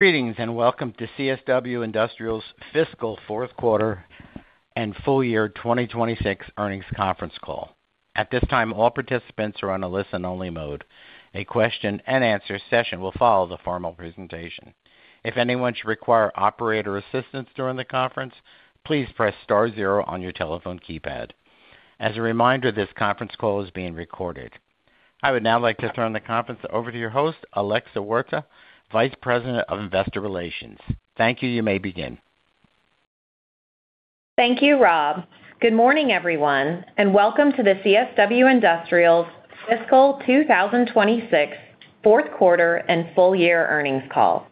Greetings, and welcome to CSW Industrials' fiscal fourth quarter and full year 2026 earnings conference call. At this time, all participants are on a listen-only mode. A question and answer session will follow the formal presentation. If anyone should require operator assistance during the conference, please press star zero on your telephone keypad. As a reminder, this conference call is being recorded. I would now like to turn the conference over to your host, Alexa Huerta, Vice President of Investor Relations. Thank you. You may begin. Thank you, Rob. Good morning, everyone, and welcome to the CSW Industrials' Fiscal 2026 fourth quarter and full year earnings call.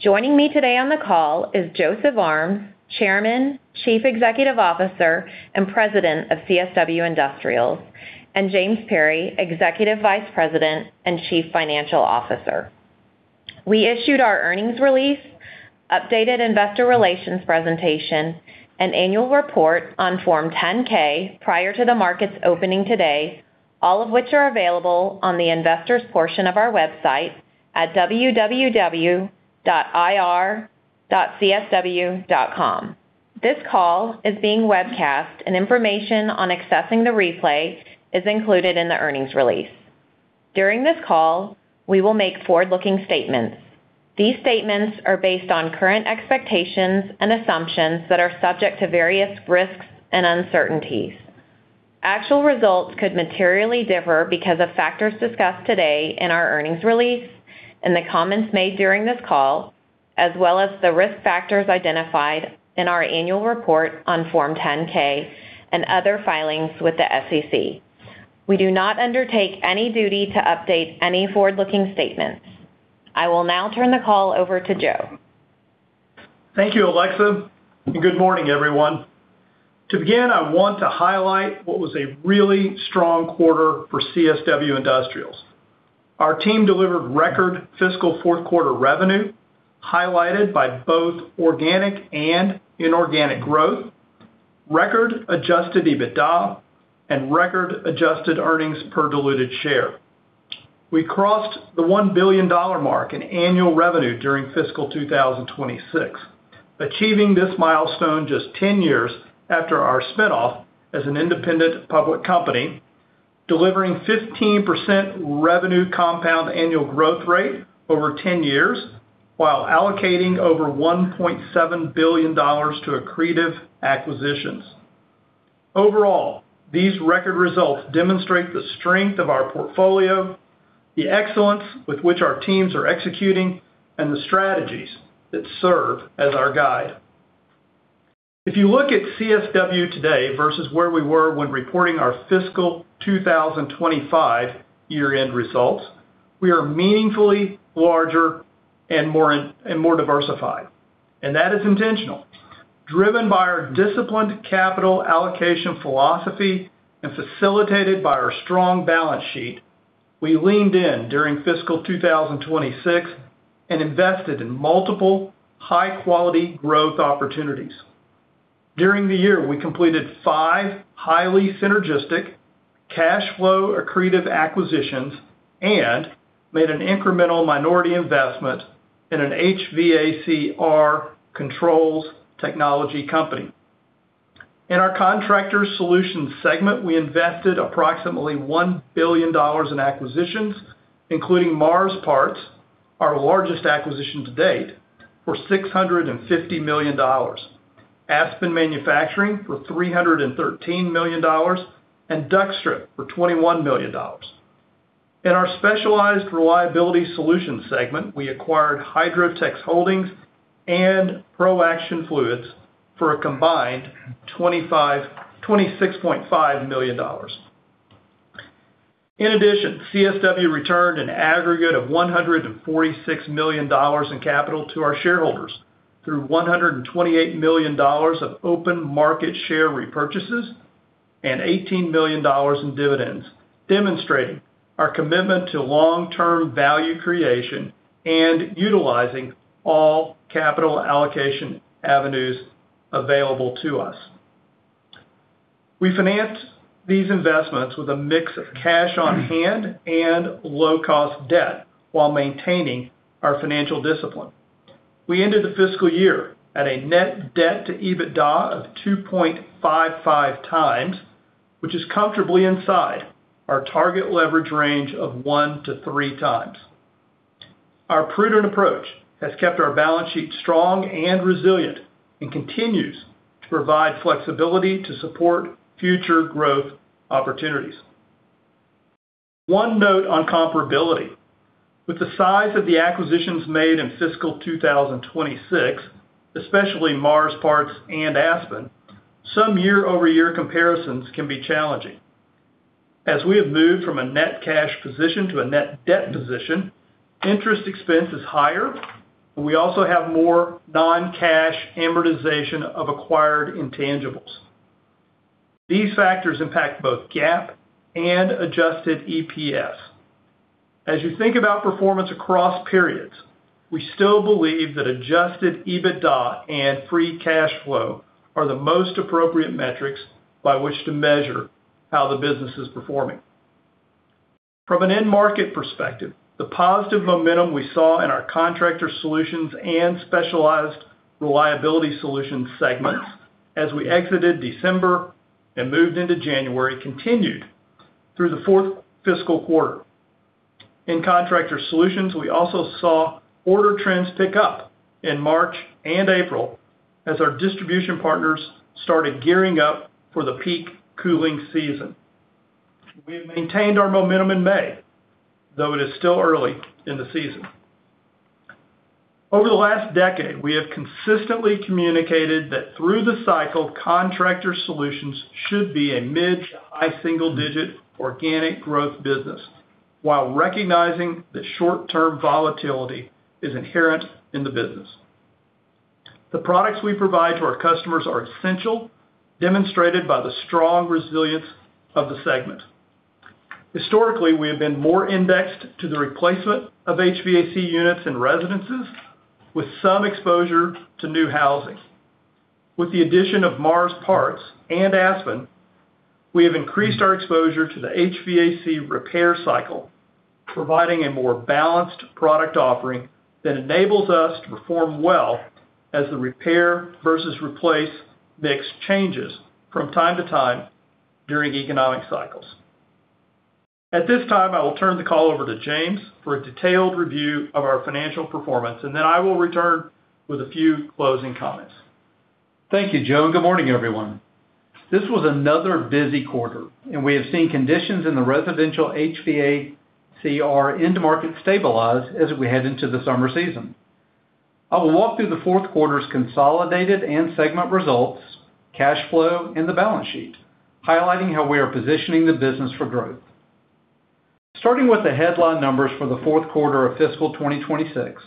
Joining me today on the call is Joseph Armes, Chairman, Chief Executive Officer, and President of CSW Industrials, and James Perry, Executive Vice President and Chief Financial Officer. We issued our earnings release, updated investor relations presentation, and annual report on Form 10-K prior to the market's opening today, all of which are available on the investors' portion of our website at www.ir.csw.com. This call is being webcast, and information on accessing the replay is included in the earnings release. During this call, we will make forward-looking statements. These statements are based on current expectations and assumptions that are subject to various risks and uncertainties. Actual results could materially differ because of factors discussed today in our earnings release and the comments made during this call, as well as the risk factors identified in our annual report on Form 10-K and other filings with the SEC. We do not undertake any duty to update any forward-looking statements. I will now turn the call over to Joe. Thank you, Alexa. Good morning, everyone. To begin, I want to highlight what was a really strong quarter for CSW Industrials. Our team delivered record fiscal fourth quarter revenue, highlighted by both organic and inorganic growth, record adjusted EBITDA, and record adjusted earnings per diluted share. We crossed the $1 billion mark in annual revenue during fiscal 2026, achieving this milestone just 10 years after our spinoff as an independent public company, delivering 15% revenue compound annual growth rate over 10 years while allocating over $1.7 billion to accretive acquisitions. Overall, these record results demonstrate the strength of our portfolio, the excellence with which our teams are executing, and the strategies that serve as our guide. If you look at CSW today versus where we were when reporting our fiscal 2025 year-end results, we are meaningfully larger and more diversified, and that is intentional. Driven by our disciplined capital allocation philosophy and facilitated by our strong balance sheet, we leaned in during fiscal 2026 and invested in multiple high-quality growth opportunities. During the year, we completed five highly synergistic cash flow accretive acquisitions and made an incremental minority investment in an HVAC/R controls technology company. In our Contractor Solutions segment, we invested approximately $1 billion in acquisitions, including MARS parts, our largest acquisition to date, for $650 million, Aspen Manufacturing for $313 million, and Duckt-Strip for $21 million. In our Specialized Reliability Solutions segment, we acquired Hydrotex Holdings and ProAction Fluids for a combined $26.5 million. In addition, CSW returned an aggregate of $146 million in capital to our shareholders through $128 million of open market share repurchases and $18 million in dividends, demonstrating our commitment to long-term value creation and utilizing all capital allocation avenues available to us. We financed these investments with a mix of cash on hand and low-cost debt while maintaining our financial discipline. We ended the fiscal year at a net debt to EBITDA of 2.55x, which is comfortably inside our target leverage range of 1x-3x. Our prudent approach has kept our balance sheet strong and resilient and continues to provide flexibility to support future growth opportunities. One note on comparability. With the size of the acquisitions made in fiscal 2026, especially MARS parts and Aspen, some year-over-year comparisons can be challenging. As we have moved from a net cash position to a net debt position, interest expense is higher, and we also have more non-cash amortization of acquired intangibles. These factors impact both GAAP and adjusted EPS. As you think about performance across periods, we still believe that adjusted EBITDA and free cash flow are the most appropriate metrics by which to measure how the business is performing. From an end market perspective, the positive momentum we saw in our Contractor Solutions and Specialized Reliability Solutions segments as we exited December and moved into January continued through the fourth fiscal quarter. In Contractor Solutions, we also saw order trends pick up in March and April as our distribution partners started gearing up for the peak cooling season. We've maintained our momentum in May, though it is still early in the season. Over the last decade, we have consistently communicated that through the cycle, Contractor Solutions should be a mid to high single-digit organic growth business while recognizing that short-term volatility is inherent in the business. The products we provide to our customers are essential, demonstrated by the strong resilience of the segment. Historically, we have been more indexed to the replacement of HVAC units and residences with some exposure to new housing. With the addition of MARS parts and Aspen, we have increased our exposure to the HVAC repair cycle, providing a more balanced product offering that enables us to perform well as the repair versus replace mix changes from time to time during economic cycles. At this time, I will turn the call over to James for a detailed review of our financial performance, and then I will return with a few closing comments. Thank you, Joe. Good morning, everyone. This was another busy quarter. We have seen conditions in the residential HVAC/R end market stabilize as we head into the summer season. I will walk through the fourth quarter's consolidated and segment results, cash flow, and the balance sheet, highlighting how we are positioning the business for growth. Starting with the headline numbers for the fourth quarter of fiscal 2026,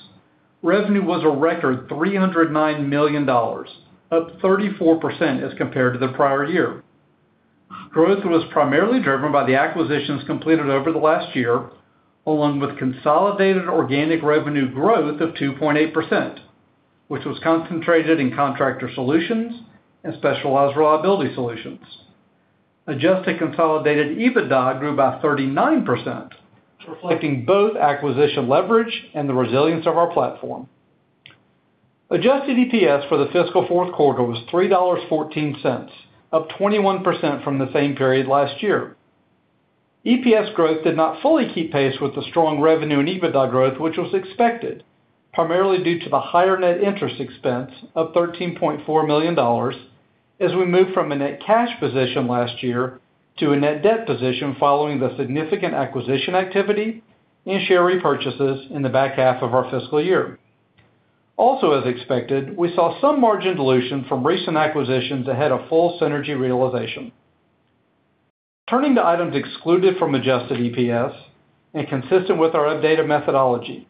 revenue was a record $309 million, up 34% as compared to the prior year. Growth was primarily driven by the acquisitions completed over the last year, along with consolidated organic revenue growth of 2.8%, which was concentrated in Contractor Solutions and Specialized Reliability Solutions. Adjusted consolidated EBITDA grew by 39%, reflecting both acquisition leverage and the resilience of our platform. Adjusted EPS for the fiscal fourth quarter was $3.14, up 21% from the same period last year. EPS growth did not fully keep pace with the strong revenue and EBITDA growth, which was expected primarily due to the higher net interest expense of $13.4 million as we moved from a net cash position last year to a net debt position following the significant acquisition activity and share repurchases in the back half of our fiscal year. As expected, we saw some margin dilution from recent acquisitions ahead of full synergy realization. Turning to items excluded from adjusted EPS and consistent with our updated methodology,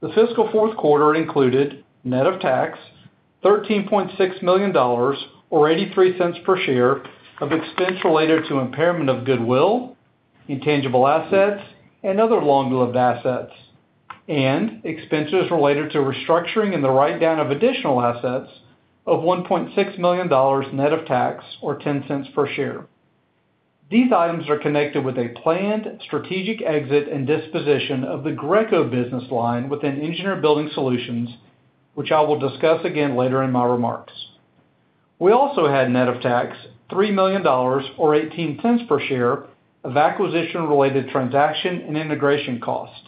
the fiscal fourth quarter included net of tax, $13.6 million, or $0.83 per share of expense related to impairment of goodwill, intangible assets, and other long-lived assets, and expenses related to restructuring and the write-down of additional assets of $1.6 million net of tax or $0.10 per share. These items are connected with a planned strategic exit and disposition of the Greco business line within Engineered Building Solutions, which I will discuss again later in my remarks. We also had net of tax, $3 million or $0.18 per share of acquisition-related transaction and integration cost,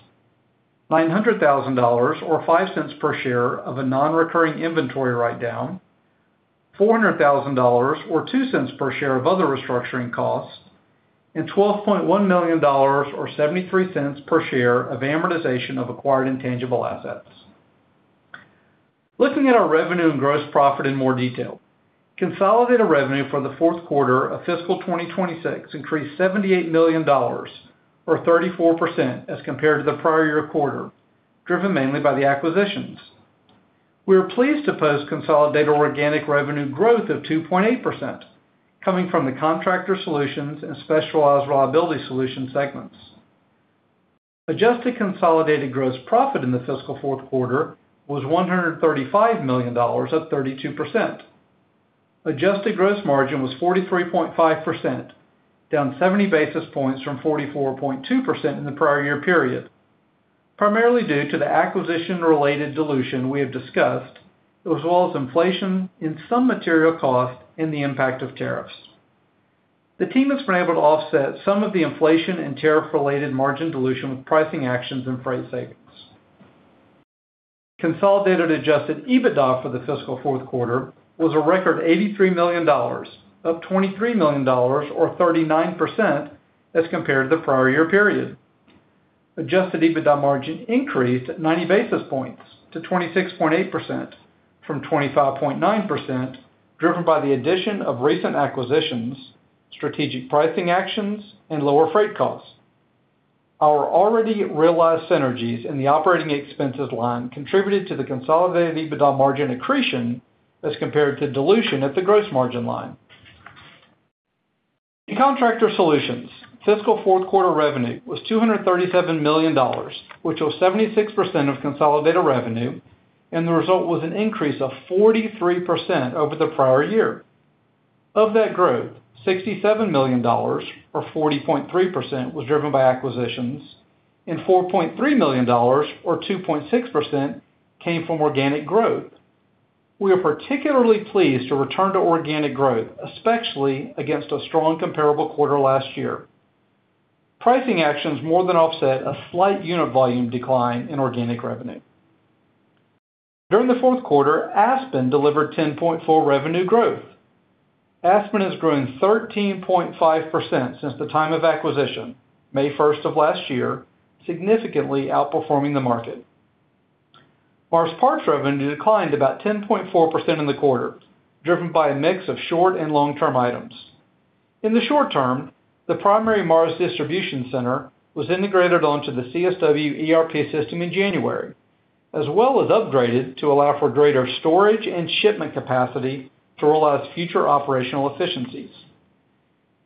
$900,000 or $0.05 per share of a non-recurring inventory write-down, $400,000 or $0.02 per share of other restructuring costs, and $12.1 million or $0.73 per share of amortization of acquired intangible assets. Looking at our revenue and gross profit in more detail. Consolidated revenue for the fourth quarter of fiscal 2026 increased $78 million or 34% as compared to the prior year quarter, driven mainly by the acquisitions. We are pleased to post consolidated organic revenue growth of 2.8% coming from the Contractor Solutions and Specialized Reliability Solutions segments. Adjusted consolidated gross profit in the fiscal fourth quarter was $135 million, up 32%. Adjusted gross margin was 43.5%, down 70 basis points from 44.2% in the prior year period. Primarily due to the acquisition-related dilution we have discussed, as well as inflation in some material cost and the impact of tariffs. The team has been able to offset some of the inflation and tariff-related margin dilution with pricing actions and freight savings. Consolidated adjusted EBITDA for the fiscal fourth quarter was a record $83 million, up $23 million or 39% as compared to the prior year period. Adjusted EBITDA margin increased 90 basis points to 26.8% from 25.9%, driven by the addition of recent acquisitions, strategic pricing actions, and lower freight costs. Our already realized synergies in the operating expenses line contributed to the consolidated EBITDA margin accretion as compared to dilution at the gross margin line. Contractor Solutions' fiscal fourth quarter revenue was $237 million, which was 76% of consolidated revenue. The result was an increase of 43% over the prior year. Of that growth, $67 million, or 40.3%, was driven by acquisitions, and $4.3 million or 2.6% came from organic growth. We are particularly pleased to return to organic growth, especially against a strong comparable quarter last year. Pricing actions more than offset a slight unit volume decline in organic revenue. During the fourth quarter, Aspen delivered 10.4% revenue growth. Aspen has grown 13.5% since the time of acquisition, May 1st of last year, significantly outperforming the market. MARS parts revenue declined about 10.4% in the quarter, driven by a mix of short and long-term items. In the short term, the primary MARS distribution center was integrated onto the CSW ERP system in January, as well as upgraded to allow for greater storage and shipment capacity to allow us future operational efficiencies.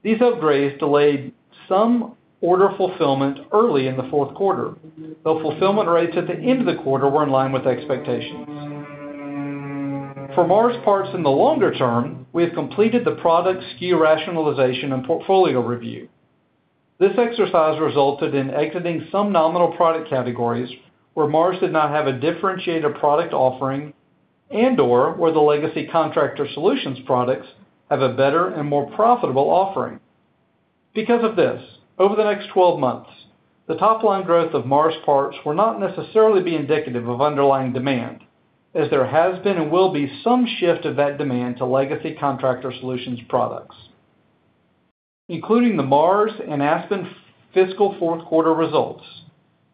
These upgrades delayed some order fulfillment early in the fourth quarter, though fulfillment rates at the end of the quarter were in line with expectations. For MARS parts in the longer term, we have completed the product SKU rationalization and portfolio review. This exercise resulted in exiting some nominal product categories where MARS did not have a differentiated product offering and/or where the legacy Contractor Solutions products have a better and more profitable offering. Because of this, over the next 12 months, the top line growth of MARS parts will not necessarily be indicative of underlying demand, as there has been and will be some shift of that demand to legacy Contractor Solutions products. Including the MARS and Aspen fiscal fourth quarter results,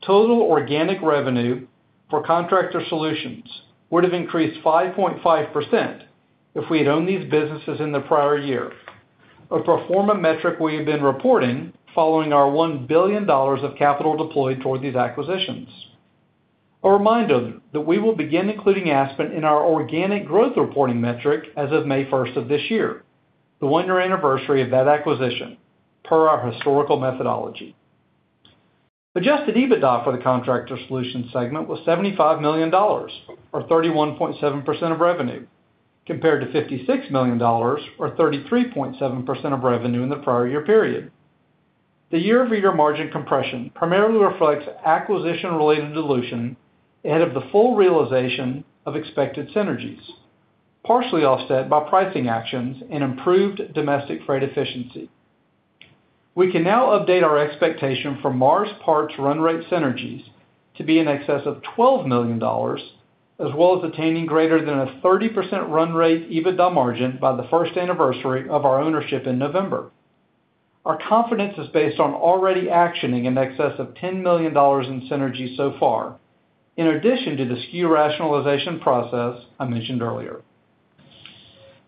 total organic revenue for Contractor Solutions would have increased 5.5% if we'd owned these businesses in the prior year. A pro forma metric we have been reporting following our $1 billion of capital deployed toward these acquisitions. A reminder that we will begin including Aspen in our organic growth reporting metric as of May 1st of this year, the one-year anniversary of that acquisition, per our historical methodology. Adjusted EBITDA for the Contractor Solutions segment was $75 million, or 31.7% of revenue, compared to $56 million or 33.7% of revenue in the prior year period. The year-over-year margin compression primarily reflects acquisition-related dilution ahead of the full realization of expected synergies, partially offset by pricing actions and improved domestic freight efficiency. We can now update our expectation for MARS parts run rate synergies to be in excess of $12 million, as well as attaining greater than a 30% run rate EBITDA margin by the first anniversary of our ownership in November. Our confidence is based on already actioning in excess of $10 million in synergies so far, in addition to the SKU rationalization process I mentioned earlier.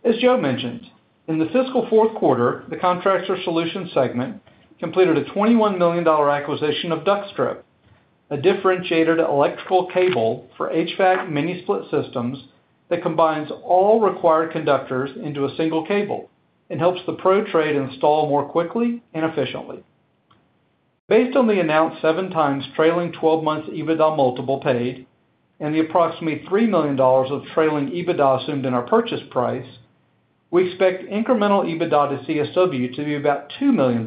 As Joe mentioned, in the fiscal fourth quarter, the Contractor Solutions segment completed a $21 million acquisition of Duckt-Strip, a differentiated electrical cable for HVAC mini-split systems that combines all required conductors into a single cable and helps the pro trade install more quickly and efficiently. Based on the announced seven times trailing 12 months EBITDA multiple paid and the approximately $3 million of trailing EBITDA assumed in our purchase price, we expect incremental EBITDA to CSW to be about $2 million,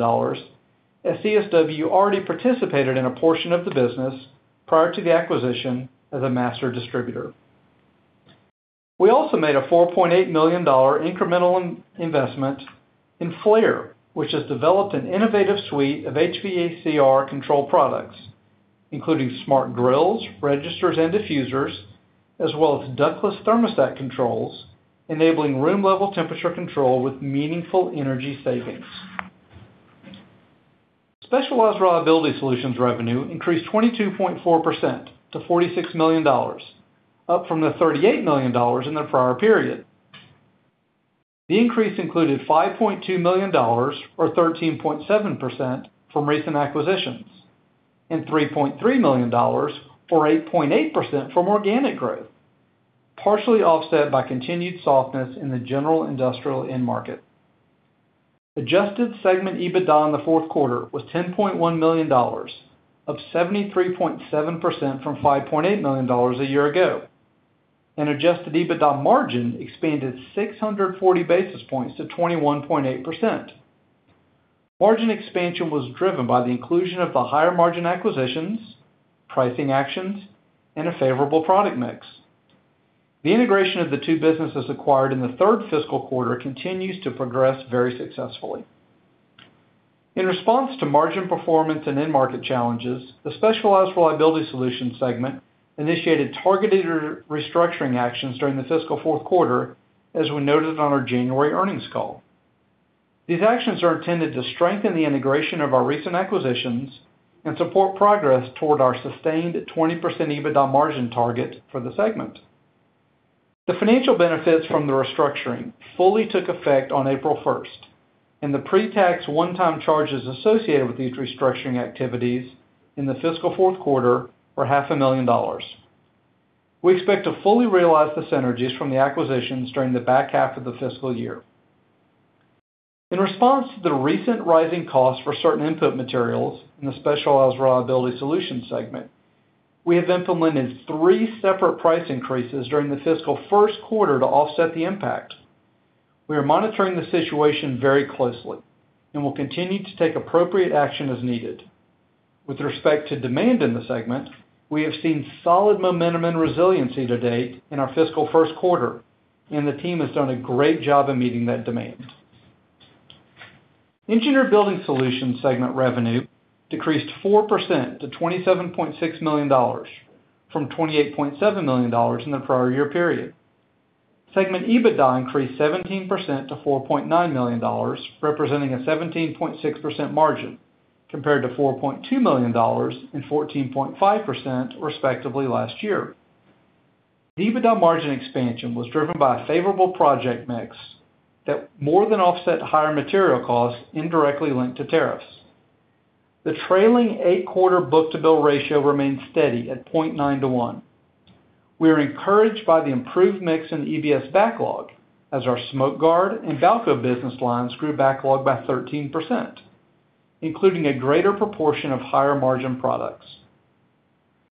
as CSW already participated in a portion of the business prior to the acquisition as a master distributor. We also made a $4.8 million incremental investment in Flair, which has developed an innovative suite of HVAC/R control products, including smart grilles, registers, and diffusers, as well as ductless thermostat controls, enabling room-level temperature control with meaningful energy savings. Specialized Reliability Solutions revenue increased 22.4% to $46 million, up from the $38 million in the prior period. The increase included $5.2 million or 13.7% from recent acquisitions and $3.3 million or 8.8% from organic growth, partially offset by continued softness in the general industrial end market. Adjusted segment EBITDA in the fourth quarter was $10.1 million of 73.7% from $5.8 million a year ago, and adjusted EBITDA margin expanded 640 basis points to 21.8%. Margin expansion was driven by the inclusion of the higher margin acquisitions, pricing actions, and a favorable product mix. The integration of the two businesses acquired in the third fiscal quarter continues to progress very successfully. In response to margin performance and end market challenges, the Specialized Reliability Solutions segment initiated targeted restructuring actions during the fiscal fourth quarter, as we noted on our January earnings call. These actions are intended to strengthen the integration of our recent acquisitions and support progress toward our sustained 20% EBITDA margin target for the segment. The financial benefits from the restructuring fully took effect on April 1st, and the pre-tax one-time charges associated with these restructuring activities in the fiscal fourth quarter were half a million dollars. We expect to fully realize the synergies from the acquisitions during the back half of the fiscal year. In response to the recent rising costs for certain input materials in the Specialized Reliability Solutions segment. We have implemented three separate price increases during the fiscal first quarter to offset the impact. We are monitoring the situation very closely and will continue to take appropriate action as needed. With respect to demand in the segment, we have seen solid momentum and resiliency to date in our fiscal first quarter, and the team has done a great job of meeting that demand. Engineered Building Solutions segment revenue decreased 4% to $27.6 million from $28.7 million in the prior year period. Segment EBITDA increased 17% to $4.9 million, representing a 17.6% margin compared to $4.2 million and 14.5% respectively last year. The EBITDA margin expansion was driven by a favorable project mix that more than offset higher material costs indirectly linked to tariffs. The trailing eight-quarter book-to-bill ratio remained steady at 0.9x to 1x. We are encouraged by the improved mix in EBS backlog as our Smoke Guard and Balco business lines grew backlog by 13%, including a greater proportion of higher margin products.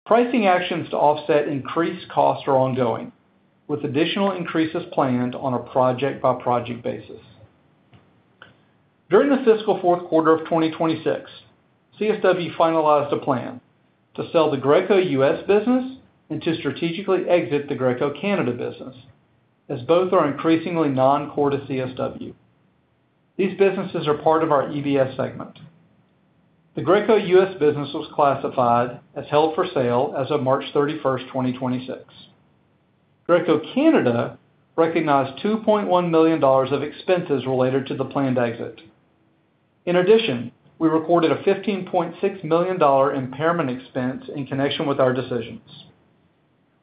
Pricing actions to offset increased costs are ongoing, with additional increases planned on a project-by-project basis. During the fiscal fourth quarter of 2026, CSW finalized a plan to sell the Greco U.S. business and to strategically exit the Greco Canada business, as both are increasingly non-core to CSW. These businesses are part of our EBS segment. The Greco U.S. business was classified as held for sale as of March 31st, 2026. Greco Canada recognized $2.1 million of expenses related to the planned exit. In addition, we recorded a $15.6 million impairment expense in connection with our decisions.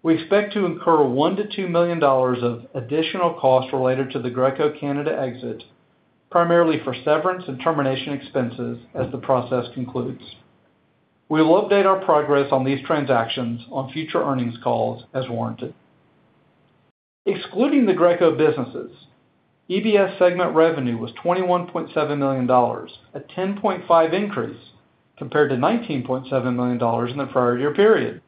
We expect to incur $1 million-$2 million of additional costs related to the Greco Canada exit, primarily for severance and termination expenses as the process concludes. We will update our progress on these transactions on future earnings calls as warranted. Excluding the Greco businesses, EBS segment revenue was $21.7 million, a 10.5% increase compared to $19.7 million in the prior year period.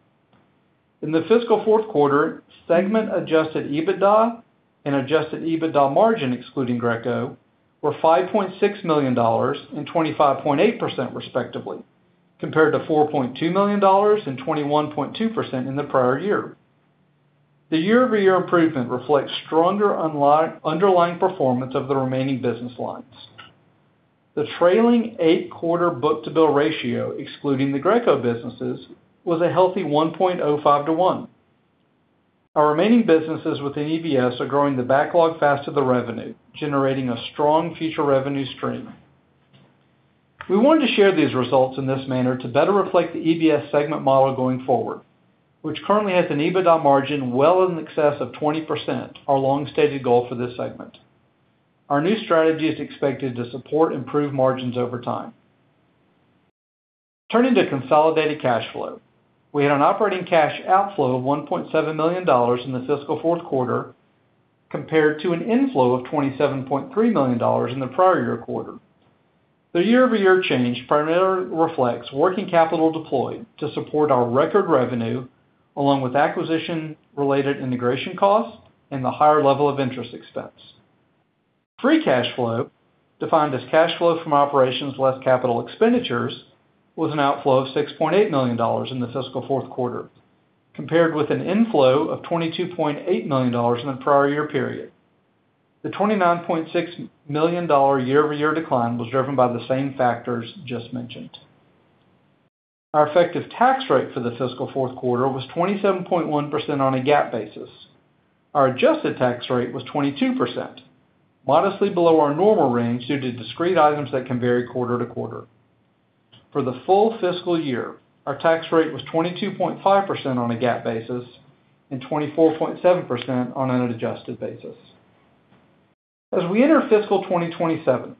In the fiscal fourth quarter, segment adjusted EBITDA and adjusted EBITDA margin excluding Greco, were $5.6 million and 25.8%, respectively, compared to $4.2 million and 21.2% in the prior year. The year-over-year improvement reflects stronger underlying performance of the remaining business lines. The trailing eight quarter book-to-bill ratio, excluding the Greco businesses, was a healthy 1.05x to 1x. Our remaining businesses within EBS are growing the backlog faster than revenue, generating a strong future revenue stream. We want to share these results in this manner to better reflect the EBS segment model going forward, which currently has an EBITDA margin well in excess of 20%, our long-stated goal for this segment. Our new strategy is expected to support improved margins over time. Turning to consolidated cash flow, we had an operating cash outflow of $1.7 million in the fiscal fourth quarter compared to an inflow of $27.3 million in the prior year quarter. The year-over-year change primarily reflects working capital deployed to support our record revenue, along with acquisition-related integration costs and a higher level of interest expense. Free cash flow, defined as cash flow from operations less capital expenditures, was an outflow of $6.8 million in the fiscal fourth quarter, compared with an inflow of $22.8 million in the prior year period. The $29.6 million year-over-year decline was driven by the same factors just mentioned. Our effective tax rate for the fiscal fourth quarter was 27.1% on a GAAP basis. Our adjusted tax rate was 22%, modestly below our normal range due to discrete items that can vary quarter to quarter. For the full fiscal year, our tax rate was 22.5% on a GAAP basis and 24.7% on an adjusted basis. As we enter fiscal 2027,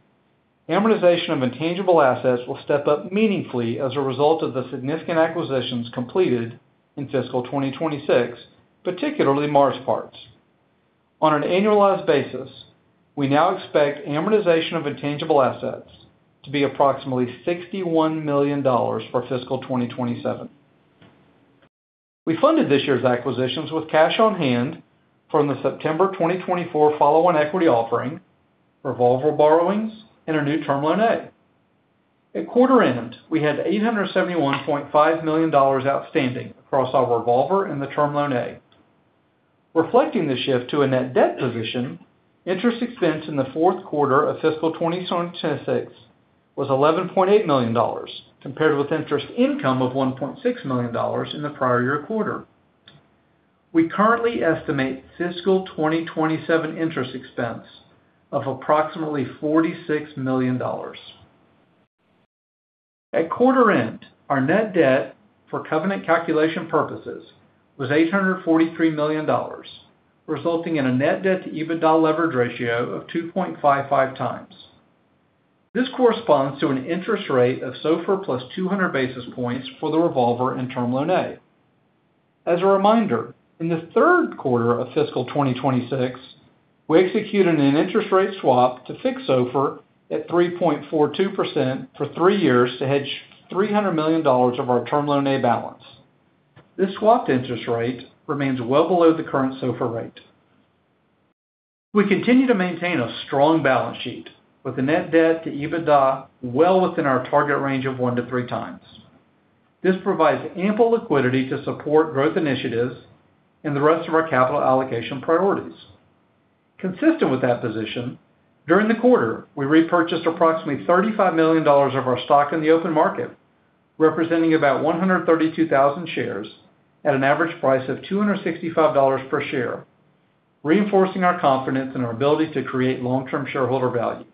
amortization of intangible assets will step up meaningfully as a result of the significant acquisitions completed in fiscal 2026, particularly MARS parts. On an annualized basis, we now expect amortization of intangible assets to be approximately $61 million for fiscal 2027. We funded this year's acquisitions with cash on hand from the September 2024 follow-on equity offering, revolver borrowings, and our new Term Loan A. At quarter end, we had $871.5 million outstanding across our revolver and the Term Loan A. Reflecting the shift to a net debt position, interest expense in the fourth quarter of fiscal 2026 was $11.8 million, compared with interest income of $1.6 million in the prior year quarter. We currently estimate fiscal 2027 interest expense of approximately $46 million. At quarter end, our net debt for covenant calculation purposes was $843 million, resulting in a net debt-to-EBITDA leverage ratio of 2.55x. This corresponds to an interest rate of SOFR plus 200 basis points for the revolver and Term Loan A. As a reminder, in the third quarter of fiscal 2026, we executed an interest rate swap to fix SOFR at 3.42% for three years to hedge $300 million of our Term Loan A balance. This swapped interest rate remains well below the current SOFR rate. We continue to maintain a strong balance sheet with a net debt to EBITDA well within our target range of one to three times. This provides ample liquidity to support growth initiatives and the rest of our capital allocation priorities. Consistent with that position, during the quarter, we repurchased approximately $35 million of our stock in the open market, representing about 132,000 shares at an average price of $265 per share, reinforcing our confidence in our ability to create long-term shareholder value.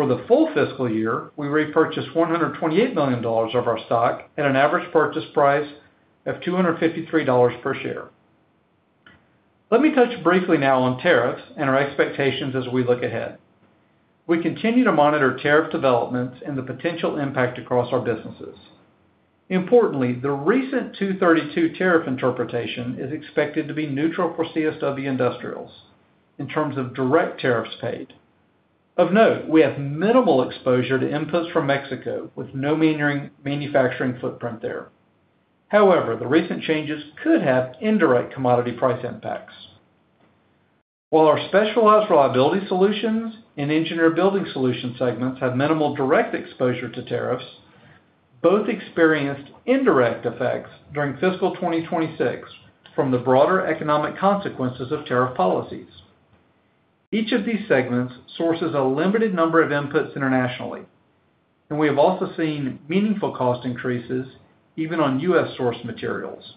For the full fiscal year, we repurchased $128 million of our stock at an average purchase price of $253 per share. Let me touch briefly now on tariffs and our expectations as we look ahead. We continue to monitor tariff developments and the potential impact across our businesses. Importantly, the recent 232 tariff interpretation is expected to be neutral for CSW Industrials in terms of direct tariffs paid. Of note, we have minimal exposure to inputs from Mexico with no manufacturing footprint there. However, the recent changes could have indirect commodity price impacts. While our Specialized Reliability Solutions and Engineered Building Solutions segments have minimal direct exposure to tariffs, both experienced indirect effects during fiscal 2026 from the broader economic consequences of tariff policies. Each of these segments sources a limited number of inputs internationally, and we have also seen meaningful cost increases even on U.S.-sourced materials.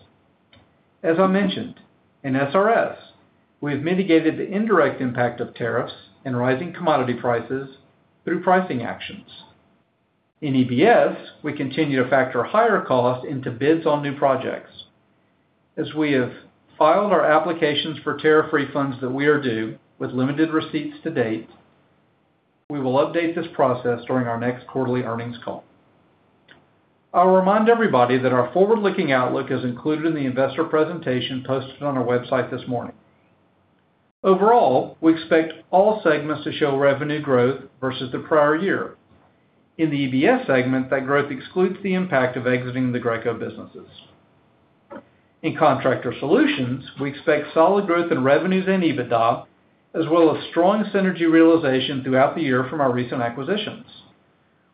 As I mentioned, in SRS, we have mitigated the indirect impact of tariffs and rising commodity prices through pricing actions. In EBS, we continue to factor higher costs into bids on new projects. As we have filed our applications for tariff refunds that we are due with limited receipts to date, we will update this process during our next quarterly earnings call. I'll remind everybody that our forward-looking outlook is included in the investor presentation posted on our website this morning. Overall, we expect all segments to show revenue growth versus the prior year. In the EBS segment, that growth excludes the impact of exiting the Greco businesses. In Contractor Solutions, we expect solid growth in revenues and EBITDA, as well as strong synergy realization throughout the year from our recent acquisitions.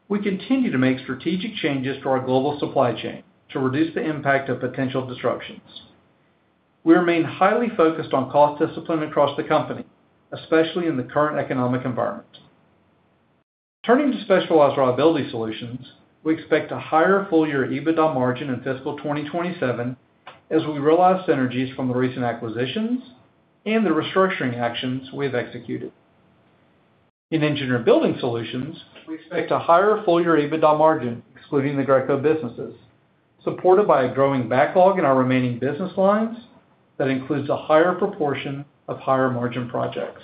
We continue to make strategic changes to our global supply chain to reduce the impact of potential disruptions. We remain highly focused on cost discipline across the company, especially in the current economic environment. Turning to Specialized Reliability Solutions, we expect a higher full-year EBITDA margin in fiscal 2027 as we realize synergies from the recent acquisitions and the restructuring actions we've executed. In Engineered Building Solutions, we expect a higher full-year EBITDA margin, excluding the Greco businesses, supported by a growing backlog in our remaining business lines that includes a higher proportion of higher-margin projects.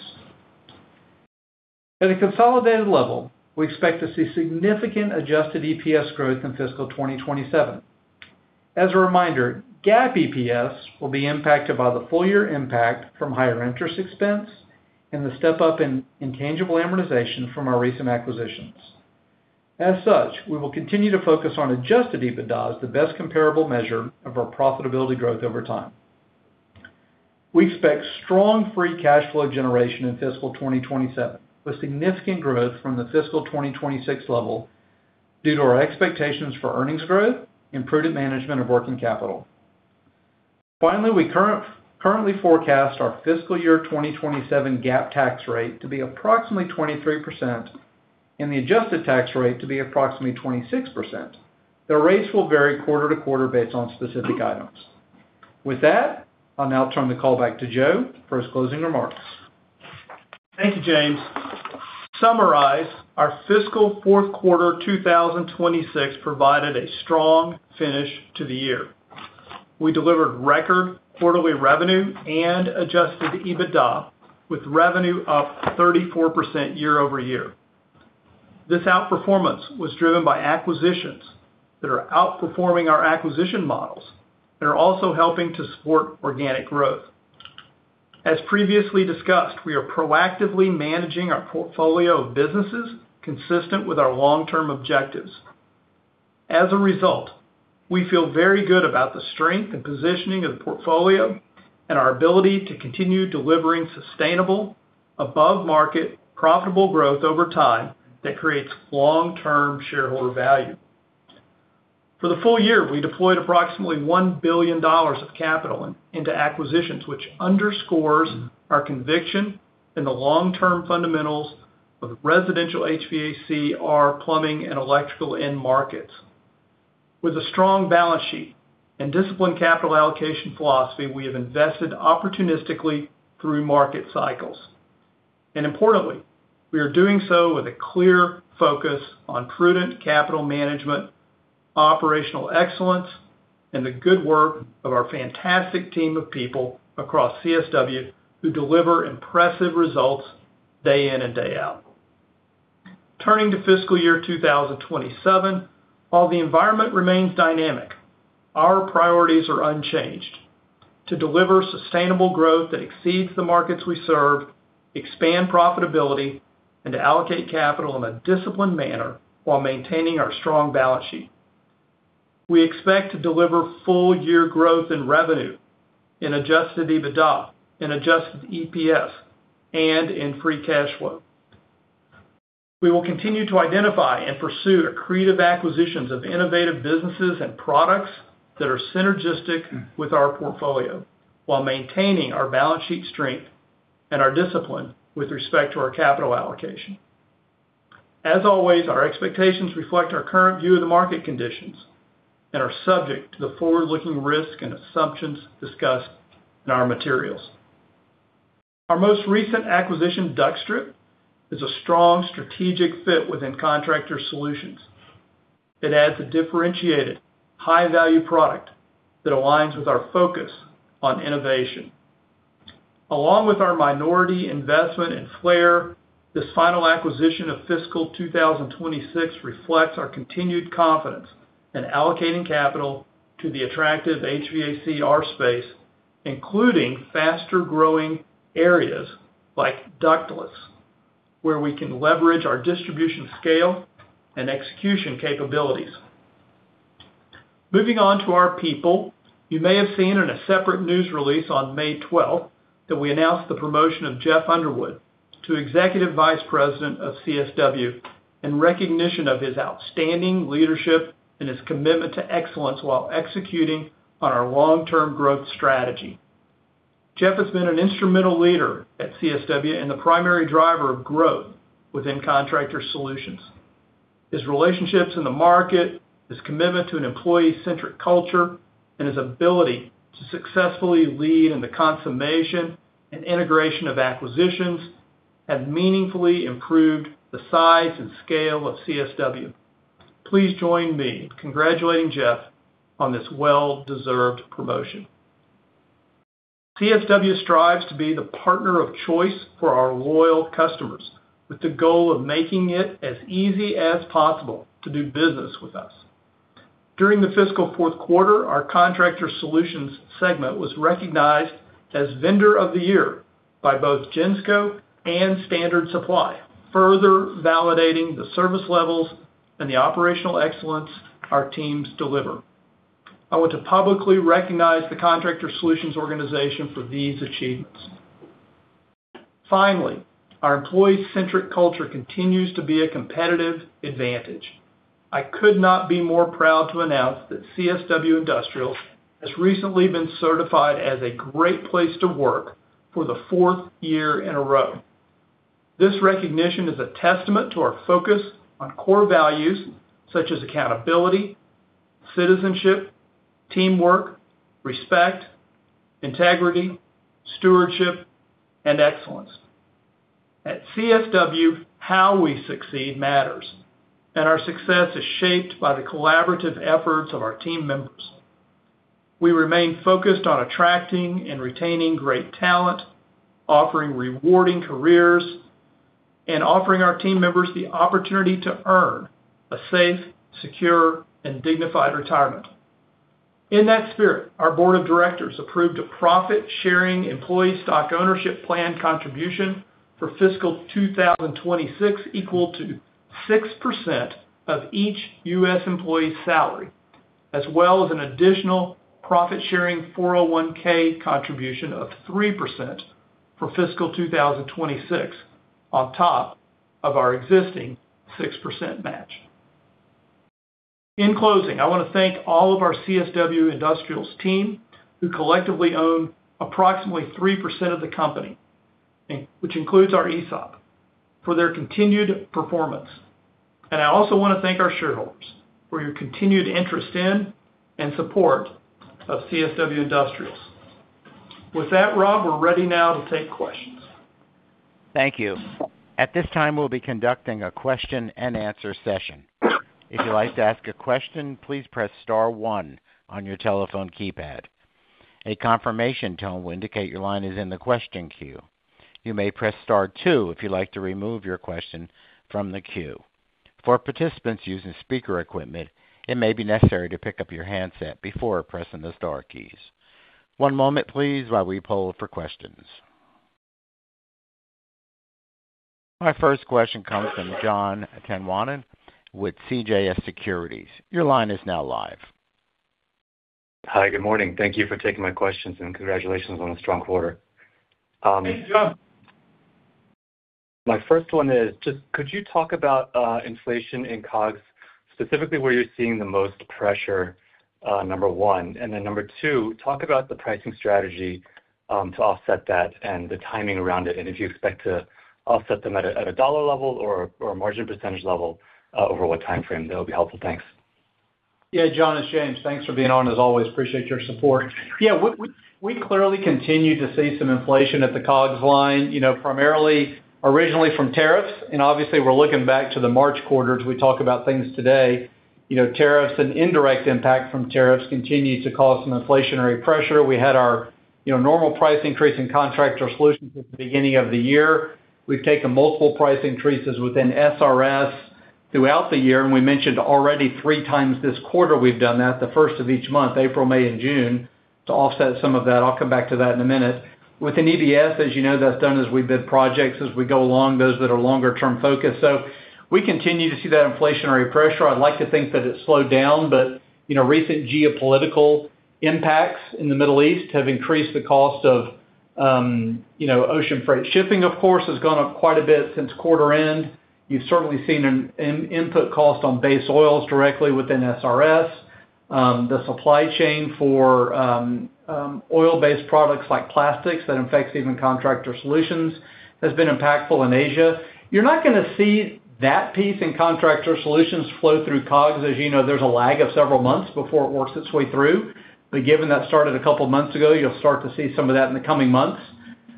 At a consolidated level, we expect to see significant adjusted EPS growth in fiscal 2027. As a reminder, GAAP EPS will be impacted by the full-year impact from higher interest expense and the step-up in intangible amortization from our recent acquisitions. As such, we will continue to focus on adjusted EBITDA as the best comparable measure of our profitability growth over time. We expect strong free cash flow generation in fiscal 2027, with significant growth from the fiscal 2026 level due to our expectations for earnings growth and prudent management of working capital. Finally, we currently forecast our fiscal year 2027 GAAP tax rate to be approximately 23% and the adjusted tax rate to be approximately 26%. The rates will vary quarter to quarter based on specific items. With that, I'll now turn the call back to Joe for his closing remarks. Thank you, James. To summarize, our fiscal fourth quarter 2026 provided a strong finish to the year. We delivered record quarterly revenue and adjusted EBITDA, with revenue up 34% year-over-year. This outperformance was driven by acquisitions that are outperforming our acquisition models and are also helping to support organic growth. As previously discussed, we are proactively managing our portfolio of businesses consistent with our long-term objectives. As a result, we feel very good about the strength and positioning of the portfolio and our ability to continue delivering sustainable, above-market, profitable growth over time that creates long-term shareholder value. For the full year, we deployed approximately $1 billion of capital into acquisitions, which underscores our conviction in the long-term fundamentals of the residential HVACR, plumbing, and electrical end markets. With a strong balance sheet and disciplined capital allocation philosophy, we have invested opportunistically through market cycles. Importantly, we are doing so with a clear focus on prudent capital management, operational excellence, and the good work of our fantastic team of people across CSW who deliver impressive results day in and day out. Turning to fiscal year 2027, while the environment remains dynamic, our priorities are unchanged: to deliver sustainable growth that exceeds the markets we serve, expand profitability, and allocate capital in a disciplined manner while maintaining our strong balance sheet. We expect to deliver full-year growth in revenue and adjusted EBITDA, and adjusted EPS, and in free cash flow. We will continue to identify and pursue accretive acquisitions of innovative businesses and products that are synergistic with our portfolio while maintaining our balance sheet strength and our discipline with respect to our capital allocation. As always, our expectations reflect our current view of the market conditions and are subject to the forward-looking risks and assumptions discussed in our materials. Our most recent acquisition, Duckt-Strip, is a strong strategic fit within Contractor Solutions. It adds a differentiated high-value product that aligns with our focus on innovation. Along with our minority investment in Flair, this final acquisition of fiscal 2026 reflects our continued confidence in allocating capital to the attractive HVAC/R space, including faster-growing areas like ductless, where we can leverage our distribution scale and execution capabilities. Moving on to our people. You may have seen in a separate news release on May 12th that we announced the promotion of Jeff Underwood to Executive Vice President of CSW in recognition of his outstanding leadership and his commitment to excellence while executing on our long-term growth strategy. Jeff has been an instrumental leader at CSW and the primary driver of growth within Contractor Solutions. His relationships in the market, his commitment to an employee-centric culture, and his ability to successfully lead in the consummation and integration of acquisitions have meaningfully improved the size and scale of CSW. Please join me in congratulating Jeff on this well-deserved promotion. CSW strives to be the partner of choice for our loyal customers, with the goal of making it as easy as possible to do business with us. During the fiscal fourth quarter, our Contractor Solutions segment was recognized as Vendor of the Year by both Gemaire and Standard Supply, further validating the service levels and the operational excellence our teams deliver. I want to publicly recognize the Contractor Solutions organization for these achievements. Finally, our employee-centric culture continues to be a competitive advantage. I could not be more proud to announce that CSW Industrials has recently been certified as a Great Place to Work for the fourth year in a row. This recognition is a testament to our focus on core values such as accountability, citizenship, teamwork, respect, integrity, stewardship, and excellence. At CSW, how we succeed matters, and our success is shaped by the collaborative efforts of our team members. We remain focused on attracting and retaining great talent, offering rewarding careers, and offering our team members the opportunity to earn a safe, secure, and dignified retirement. In that spirit, our board of directors approved a profit-sharing employee stock ownership plan contribution for fiscal 2026 equal to 6% of each U.S. employee's salary, as well as an additional profit-sharing 401(k) contribution of 3% for fiscal 2026 on top of our existing 6% match. In closing, I want to thank all of our CSW Industrials team, who collectively own approximately 3% of the company, which includes our ESOP, for their continued performance. I also want to thank our shareholders for your continued interest in and support of CSW Industrials. With that, Rob, we're ready now to take questions. Thank you. At this time, we'll be conducting a question-and-answer session. If you'd like to ask a question, please press star one on your telephone keypad. A confirmation tone will indicate your line is in the question queue. You may press star two if you'd like to remove your question from the queue. For participants using speaker equipment, it may be necessary to pick up your handset before pressing the star keys. One moment, please, while we poll for questions. My first question comes from Jon Tanwanteng with CJS Securities. Your line is now live. Hi, good morning. Thank you for taking my questions, and congratulations on a strong quarter. Hey, Jon. My first one is, could you talk about inflation in COGS, specifically where you're seeing the most pressure, number one? Number two, talk about the pricing strategy to offset that and the timing around it, and if you expect to offset them at a dollar level or a margin percentage level over what timeframe, that would be helpful. Thanks. Yeah, Jon, it's James. Thanks for being on as always. Appreciate your support. Yeah, we clearly continue to see some inflation at the COGS line, primarily originally from tariffs, and obviously we're looking back to the March quarter as we talk about things today. Tariffs and indirect impact from tariffs continue to cause some inflationary pressure. We had our normal price increase in Contractor Solutions at the beginning of the year. We've taken multiple price increases within SRS throughout the year, and we mentioned already three times this quarter we've done that the first of each month, April, May, and June, to offset some of that. I'll come back to that in a minute. Within EBS, as you know, that's done as we bid projects, as we go along, those that are longer-term focus. We continue to see that inflationary pressure. I'd like to think that it slowed down, but recent geopolitical impacts in the Middle East have increased the cost of ocean freight. Shipping, of course, has gone up quite a bit since quarter end. You've certainly seen an input cost on base oils directly within SRS. The supply chain for oil-based products like plastics, that affects even Contractor Solutions, has been impactful in Asia. You're not going to see that piece in Contractor Solutions flow through COGS. As you know, there's a lag of several months before it works its way through. Given that started a couple of months ago, you'll start to see some of that in the coming months.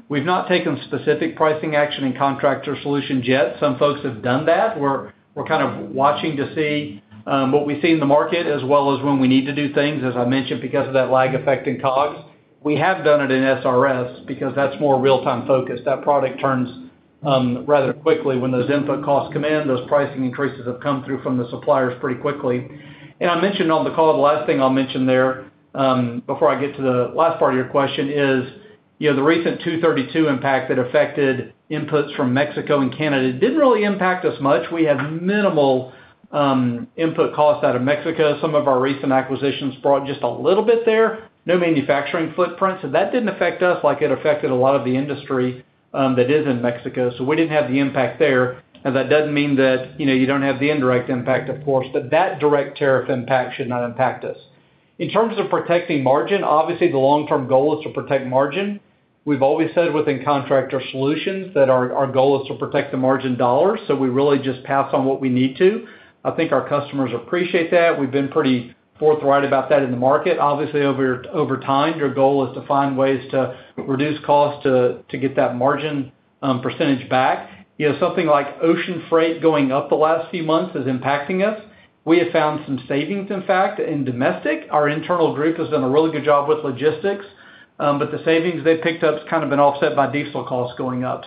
We've not taken specific pricing action in Contractor Solutions yet. Some folks have done that. We're kind of watching to see what we see in the market as well as when we need to do things, as I mentioned, because of that lag effect in COGS. We have done it in SRS because that's more real-time focused. That product turns rather quickly when those input costs come in. Those pricing increases have come through from the suppliers pretty quickly. I mentioned on the call, the last thing I'll mention there, before I get to the last part of your question is, the recent Section 232 impact that affected inputs from Mexico and Canada didn't really impact us much. We had minimal input costs out of Mexico. Some of our recent acquisitions brought just a little bit there. No manufacturing footprint. That didn't affect us like it affected a lot of the industry that is in Mexico. We didn't have the impact there. That doesn't mean that you don't have the indirect impact, of course, but that direct tariff impact should not impact us. In terms of protecting margin, obviously, the long-term goal is to protect margin. We've always said within Contractor Solutions that our goal is to protect the margin dollars. We really just pass on what we need to. I think our customers appreciate that. We've been pretty forthright about that in the market. Obviously, over time, your goal is to find ways to reduce costs to get that margin percentage back. Something like ocean freight going up the last few months is impacting us. We have found some savings, in fact, in domestic. Our internal group has done a really good job with logistics, but the savings they picked up has kind of been offset by diesel costs going up.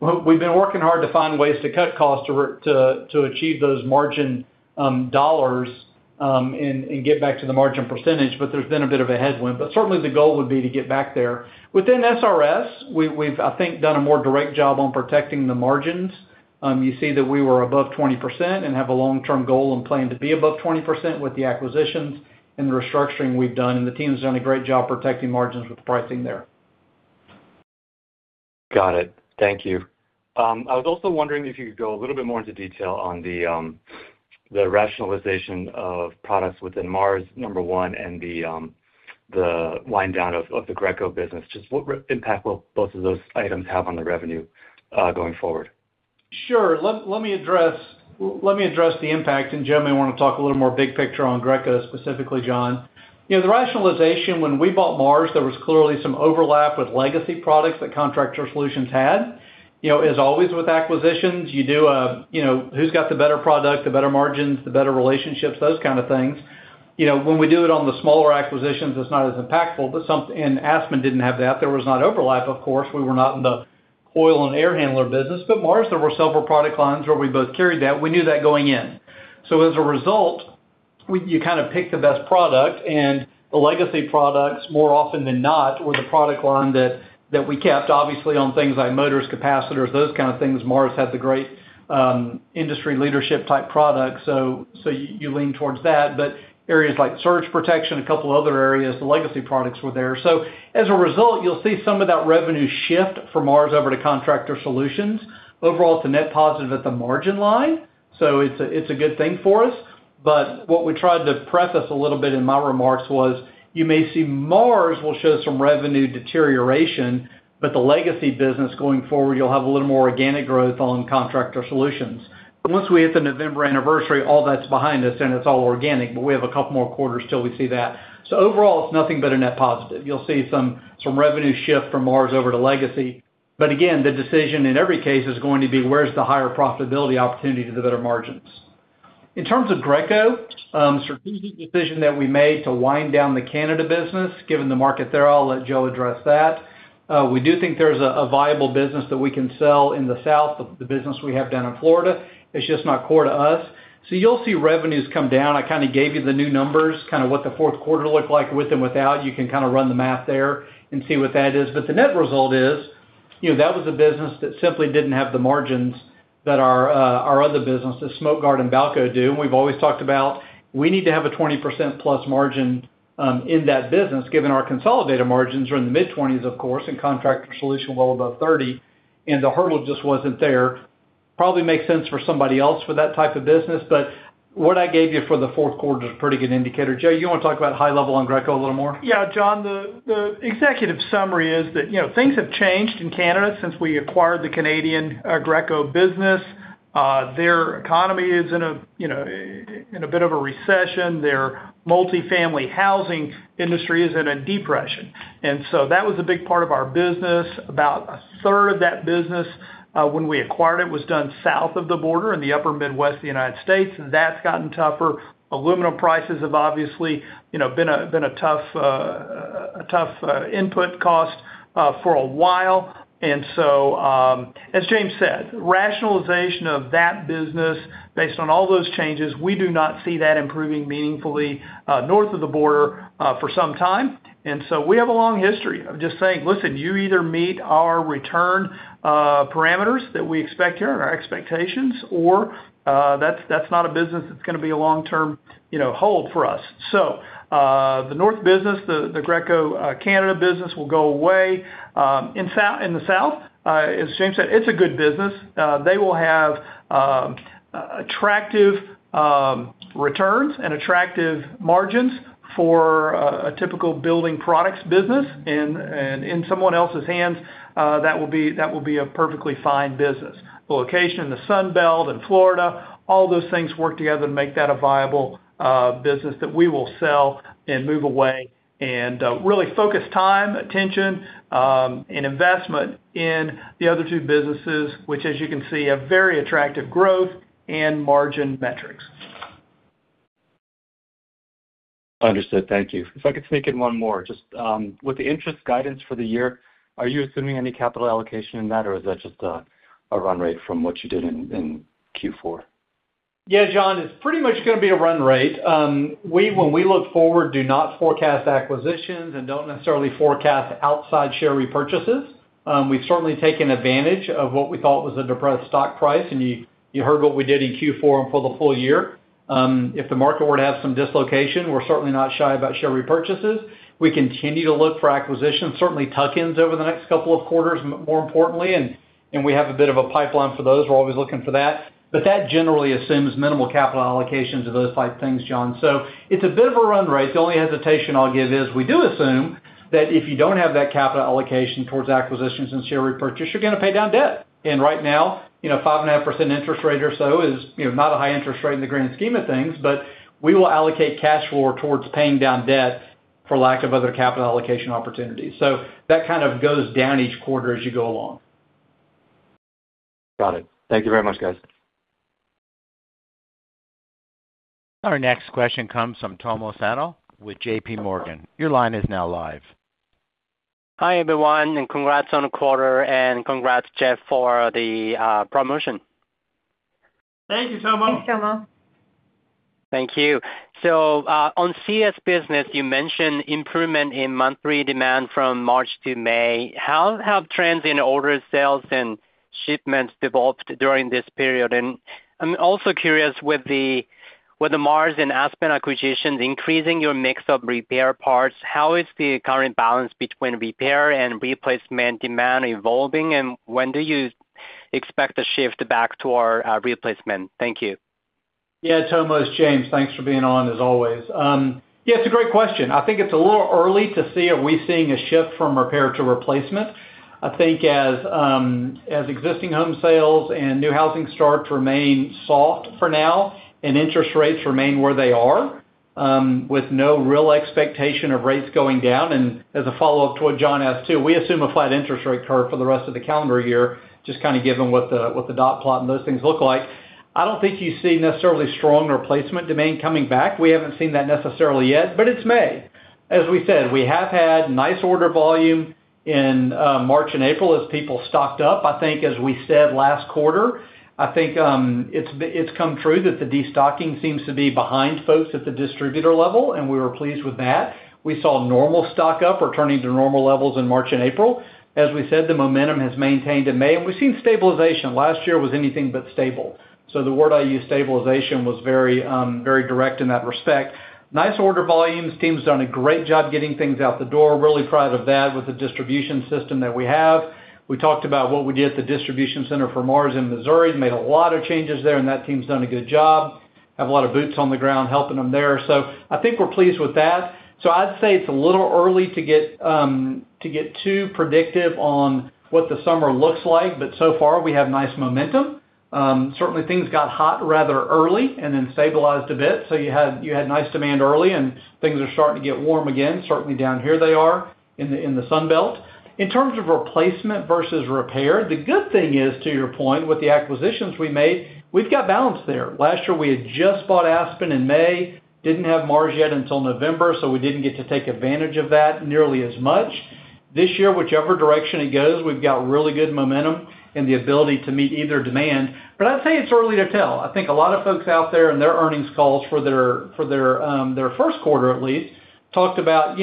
We've been working hard to find ways to cut costs to achieve those margin dollars and get back to the margin percentage. There's been a bit of a headwind. Certainly the goal would be to get back there. Within SRS, we've, I think, done a more direct job on protecting the margins. You see that we were above 20% and have a long-term goal and plan to be above 20% with the acquisitions and restructuring we've done, and the team has done a great job protecting margins with pricing there. Got it. Thank you. I was also wondering if you could go a little bit more into detail on the rationalization of products within MARS, number one, and the wind down of the Greco business. Just what impact will both of those items have on the revenue going forward? Sure. Let me address the impact, and Joe may want to talk a little more big picture on Greco specifically, Jon. The rationalization, when we bought MARS, there was clearly some overlap with legacy products that Contractor Solutions had. As always with acquisitions, you do a who's got the better product, the better margins, the better relationships, those kind of things. When we do it on the smaller acquisitions, it's not as impactful, and Aspen didn't have that. There was no overlap, of course. We were not in the coil and air handler business. MARS, there were several product lines where we both carried that. We knew that going in. As a result, you kind of pick the best product, and the legacy products, more often than not, was a product line that we kept, obviously, on things like motors, capacitors, those kind of things. MARS had the great industry leadership type product. You lean towards that. Areas like surge protection, a couple other areas, the legacy products were there. As a result, you'll see some of that revenue shift from MARS over to Contractor Solutions. Overall, it's a net positive at the margin line, so it's a good thing for us. What we tried to preface a little bit in my remarks was, you may see MARS will show some revenue deterioration, but the legacy business going forward, you'll have a little more organic growth on Contractor Solutions. Once we hit the November anniversary, all that's behind us, then it's all organic. We have a couple more quarters till we see that. Overall, it's nothing but a net positive. You'll see some revenue shift from MARS over to legacy. Again, the decision in every case is going to be where's the higher profitability opportunity to the better margins. In terms of Greco, strategic decision that we made to wind down the Canada business, given the market there, I'll let Joe address that. We do think there's a viable business that we can sell in the South of the business we have down in Florida. It's just not core to us. You'll see revenues come down. I kind of gave you the new numbers, kind of what the fourth quarter looked like with and without. You can kind of run the math there and see what that is. The net result is, that was a business that simply didn't have the margins that our other businesses, Smoke Guard and Balco. We've always talked about we need to have a 20%+ margin in that business, given our consolidated margins are in the mid-20s, of course, and Contractor Solutions well above 30%, and the hurdle just wasn't there. Probably makes sense for somebody else for that type of business. What I gave you for the fourth quarter is a pretty good indicator. Joe, you want to talk about high level on Greco a little more? Yeah, Jon, the executive summary is that things have changed in Canada since we acquired the Canadian Greco business. Their economy is in a bit of a recession. Their multifamily housing industry is in a depression. That was a big part of our business. About a third of that business when we acquired it was done south of the border in the upper Midwest of the United States. That's gotten tougher. Aluminum prices have obviously been a tough input costs for a while. As James said, rationalization of that business based on all those changes, we do not see that improving meaningfully north of the border for some time. We have a long history of just saying, "Listen, you either meet our return parameters that we expect here and our expectations, or that's not a business that's going to be a long-term hold for us." The north business, the Greco Canada business, will go away. In the south, as James Perry said, it's a good business. They will have attractive returns and attractive margins for a typical building products business. In someone else's hands, that will be a perfectly fine business. The location in the Sun Belt in Florida, all those things work together to make that a viable business that we will sell and move away and really focus time, attention, and investment in the other two businesses, which, as you can see, have very attractive growth and margin metrics. Understood. Thank you. If I could sneak in one more, just with the interest guidance for the year, are you assuming any capital allocation in that, or is that just a run rate from what you did in Q4? Yeah, Jon, it's pretty much going to be a run rate. We, when we look forward, do not forecast acquisitions and don't necessarily forecast outside share repurchases. We've certainly taken advantage of what we thought was a depressed stock price, and you heard what we did in Q4 and for the full year. If the market were to have some dislocation, we're certainly not shy about share repurchases. We continue to look for acquisitions, certainly tuck-ins over the next couple of quarters more importantly, and we have a bit of a pipeline for those. We're always looking for that. That generally assumes minimal capital allocations of those type things, Jon. It's a bit of a run rate. The only hesitation I'll give is we do assume that if you don't have that capital allocation towards acquisitions and share repurchase, you're going to pay down debt. Right now, 5.5% interest rate or so is not a high interest rate in the grand scheme of things, but we will allocate cash flow towards paying down debt for lack of other capital allocation opportunities. That kind of goes down each quarter as you go along. Got it. Thank you very much, guys. Our next question comes from Tomo Sano with JPMorgan. Your line is now live. Hi, everyone. Congrats on the quarter, and congrats, Jeff, for the promotion. Thank you, Tomo. Thanks, Tomo. Thank you. On CS business, you mentioned improvement in monthly demand from March to May. How have trends in order sales and shipments developed during this period? I'm also curious with the MARS and Aspen acquisitions increasing your mix of repair parts, how is the current balance between repair and replacement demand evolving, and when do you expect a shift back to our replacement? Thank you. Yeah, Tomo, it's James. Thanks for being on as always. Yeah, it's a great question. I think it's a little early to say if we're seeing a shift from repair to replacement. I think as existing home sales and new housing starts remain soft for now and interest rates remain where they are with no real expectation of rates going down, and as a follow-up to what Jon asked too, we assume a flat interest rate curve for the rest of the calendar year, just kind of given what the dot plot and those things look like. I don't think you see necessarily strong replacement demand coming back. We haven't seen that necessarily yet, but it's May. As we said, we have had nice order volume in March and April as people stocked up. I think as we said last quarter, I think it's come true that the destocking seems to be behind folks at the distributor level, and we were pleased with that. We saw normal stock up. We're turning to normal levels in March and April. As we said, the momentum has maintained in May. We've seen stabilization. Last year was anything but stable. The word I used, stabilization, was very direct in that respect. Nice order volumes. Team's done a great job getting things out the door. Really proud of that with the distribution system that we have. We talked about what we did at the distribution center for MARS in Missouri. Made a lot of changes there, and that team's done a good job. Have a lot of boots on the ground helping them there. I think we're pleased with that. I'd say it's a little early to get too predictive on what the summer looks like, but so far, we have nice momentum. Certainly things got hot rather early and then stabilized a bit. You had nice demand early, and things are starting to get warm again. Certainly down here they are in the Sun Belt. In terms of replacement versus repair, the good thing is, to your point, with the acquisitions we made, we've got balance there. Last year, we had just bought Aspen in May, didn't have MARS yet until November, we didn't get to take advantage of that nearly as much. This year, whichever direction it goes, we've got really good momentum and the ability to meet either demand. I'd say it's early to tell. I think a lot of folks out there in their earnings calls for their first quarter at least, talked about,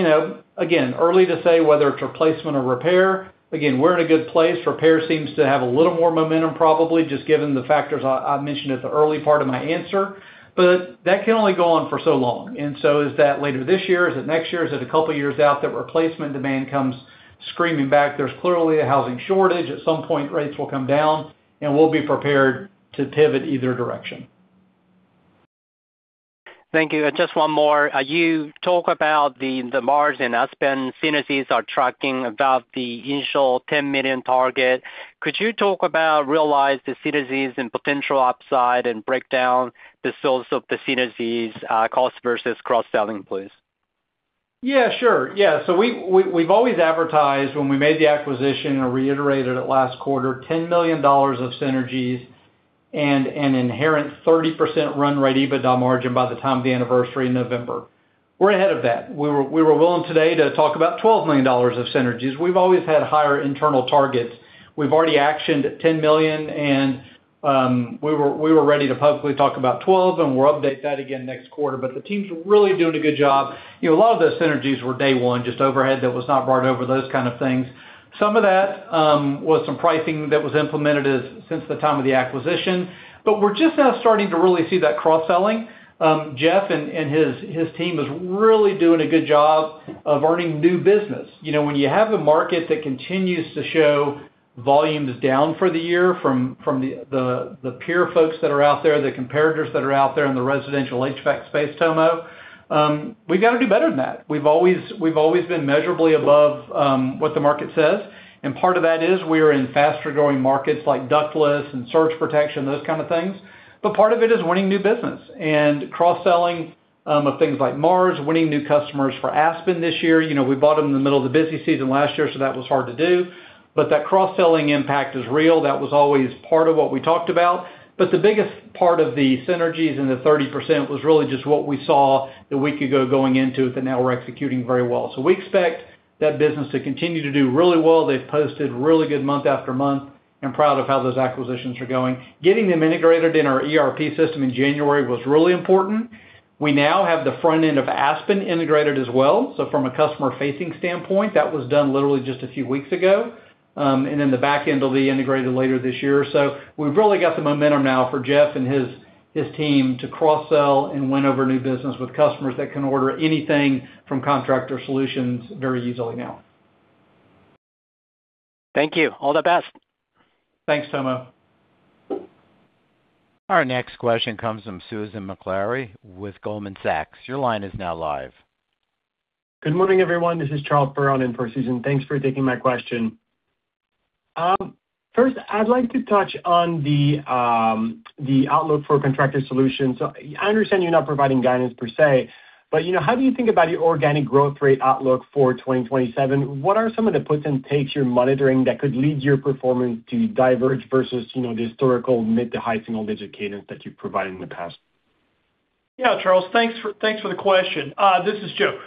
again, early to say whether it's replacement or repair. We're in a good place. Repair seems to have a little more momentum, probably just given the factors I mentioned at the early part of my answer, but that can only go on for so long. Is that later this year? Is it next year? Is it a couple of years out that replacement demand comes screaming back? There's clearly a housing shortage. At some point, rates will come down, and we'll be prepared to pivot either direction. Thank you. Just one more. You talk about the MARS and Aspen synergies are tracking above the initial $10 million target. Could you talk about realized synergies and potential upside and break down the source of the synergies cost versus cross-selling, please? Yeah, sure. We've always advertised when we made the acquisition and reiterated it last quarter, $10 million of synergies. And an inherent 30% run rate EBITDA margin by the time of the anniversary in November. We're ahead of that. We were willing today to talk about $12 million of synergies. We've always had higher internal targets. We've already actioned at $10 million and we were ready to publicly talk about $12 million, and we'll update that again next quarter. The team's really doing a good job. A lot of those synergies were day one, just overhead that was not brought over, those kind of things. Some of that was some pricing that was implemented since the time of the acquisition. We're just now starting to really see that cross-selling. Jeff and his team is really doing a good job of earning new business. When you have a market that continues to show volume is down for the year from the peer folks that are out there, the competitors that are out there in the residential HVAC space, Tomo, we got to do better than that. We've always been measurably above what the market says, and part of that is we are in faster-growing markets like ductless and surge protection, those kind of things. Part of it is winning new business and cross-selling of things like MARS, winning new customers for Aspen this year. We bought them in the middle of the busy season last year, that was hard to do. That cross-selling impact is real. That was always part of what we talked about. The biggest part of the synergies and the 30% was really just what we saw a week ago going into it that now we're executing very well. We expect that business to continue to do really well. They've posted really good month after month. I'm proud of how those acquisitions are going. Getting them integrated in our ERP system in January was really important. We now have the front end of Aspen integrated as well. From a customer-facing standpoint, that was done literally just a few weeks ago. The back end will be integrated later this year. We've really got the momentum now for Jeff and his team to cross-sell and win over new business with customers that can order anything from Contractor Solutions very easily now. Thank you. All the best. Thanks, Tomo. Our next question comes from Susan Maklari with Goldman Sachs. Your line is now live. Good morning, everyone. This is Charles Brown in for Susan. Thanks for taking my question. First, I'd like to touch on the outlook for Contractor Solutions. I understand you're not providing guidance per se, but how do you think about your organic growth rate outlook for 2027? What are some of the puts and takes you're monitoring that could lead your performance to diverge versus the historical mid to high single-digit cadence that you've provided in the past? Yeah, Charles, thanks for the question. This is Joe.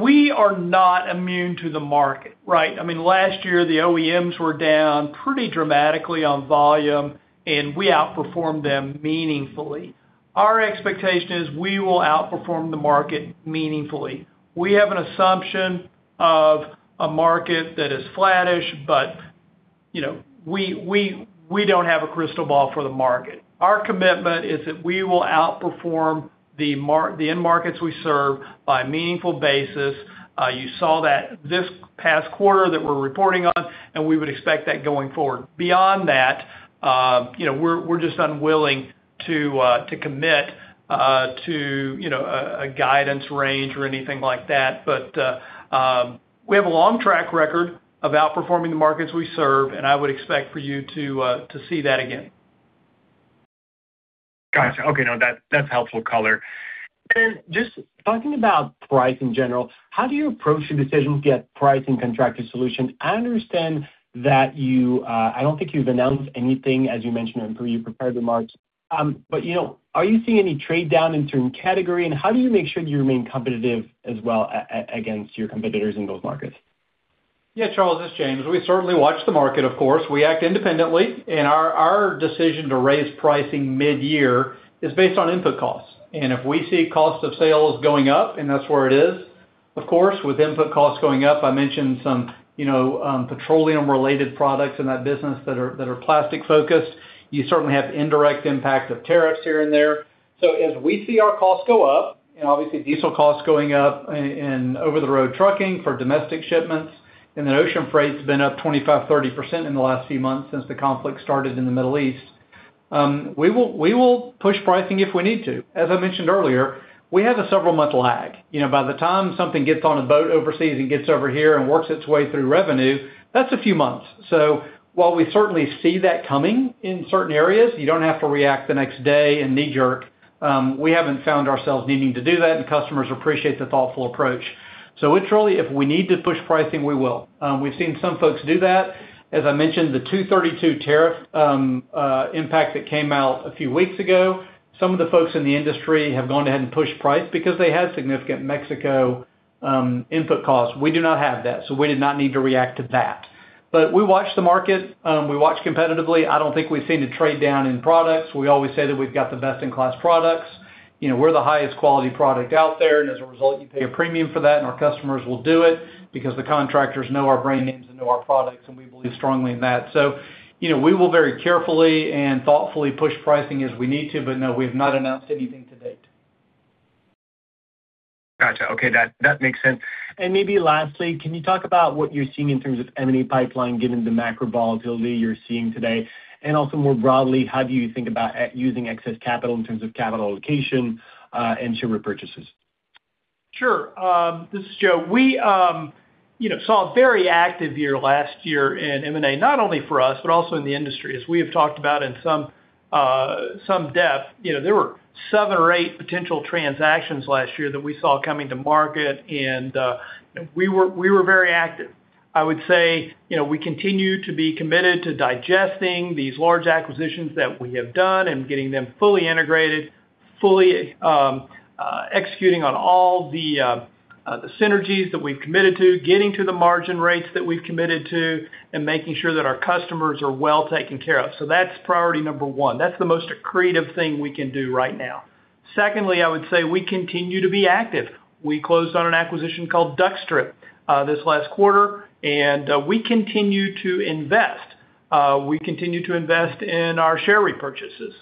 We are not immune to the market, right? Last year, the OEMs were down pretty dramatically on volume, and we outperformed them meaningfully. Our expectation is we will outperform the market meaningfully. We have an assumption of a market that is flattish, but we don't have a crystal ball for the market. Our commitment is that we will outperform the end markets we serve by a meaningful basis. You saw that this past quarter that we're reporting on, and we would expect that going forward. Beyond that, we're just unwilling to commit to a guidance range or anything like that. We have a long track record of outperforming the markets we serve, and I would expect for you to see that again. Got you. Okay. No, that's helpful color. Just talking about price in general, how do you approach your decisions regarding price and Contractor Solutions? I understand that you I don't think you've announced anything, as you mentioned in the preview prior to March. Are you seeing any trade down in certain category, and how do you make sure you remain competitive as well against your competitors in those markets? Yeah, Charles, it's James. We certainly watch the market, of course. Our decision to raise pricing mid-year is based on input costs. If we see cost of sales going up, and that's where it is, of course, with input costs going up, I mentioned some petroleum-related products in that business that are plastic-focused. You certainly have indirect impact of tariffs here and there. As we see our costs go up, and obviously diesel costs going up in over-the-road trucking for domestic shipments, and the ocean freight's been up 25%-30% in the last few months since the conflict started in the Middle East. We will push pricing if we need to. As I mentioned earlier, we have a several-month lag. By the time something gets on a boat overseas and gets over here and works its way through revenue, that's a few months. While we certainly see that coming in certain areas, you don't have to react the next day and knee-jerk. We haven't found ourselves needing to do that, and customers appreciate the thoughtful approach. Literally, if we need to push pricing, we will. We've seen some folks do that. As I mentioned, the 232 tariff impact that came out a few weeks ago, some of the folks in the industry have gone ahead and pushed price because they had significant Mexico input costs. We do not have that, so we did not need to react to that. We watch the market. We watch competitively. I don't think we've seen a trade-down in products. We always say that we've got the best-in-class products. We're the highest quality product out there. As a result, you pay a premium for that, and our customers will do it because the contractors know our brand names and know our products, and we believe strongly in that. We will very carefully and thoughtfully push pricing as we need to. No, we've not announced anything to date. Got you. Okay. That makes sense. Maybe lastly, can you talk about what you're seeing in terms of M&A pipeline given the macro volatility you're seeing today? Also more broadly, how do you think about using excess capital in terms of capital allocation and share repurchases? Sure. This is Joe. We saw a very active year last year in M&A, not only for us, but also in the industry, as we have talked about in some depth. There were seven or eight potential transactions last year that we saw coming to market. We were very active. I would say, we continue to be committed to digesting these large acquisitions that we have done and getting them fully integrated, fully executing on all the synergies that we've committed to, getting to the margin rates that we've committed to, and making sure that our customers are well taken care of. So that's priority number one. That's the most accretive thing we can do right now. Secondly, I would say we continue to be active. We closed on an acquisition called Duckt-Strip this last quarter. We continue to invest. We continue to invest in our share repurchases.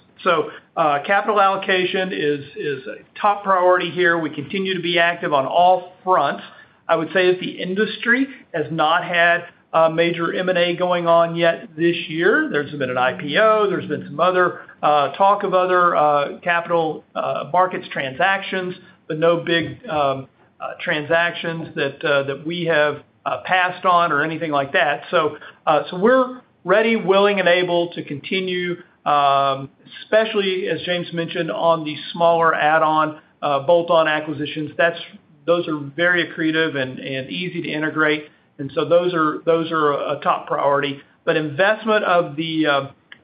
Capital allocation is a top priority here. We continue to be active on all fronts. I would say that the industry has not had a major M&A going on yet this year. There's been an IPO, there's been some talk of other capital markets transactions, but no big transactions that we have passed on or anything like that. We're ready, willing, and able to continue, especially as James mentioned, on the smaller add-on, bolt-on acquisitions. Those are very accretive and easy to integrate. Those are a top priority. Investment of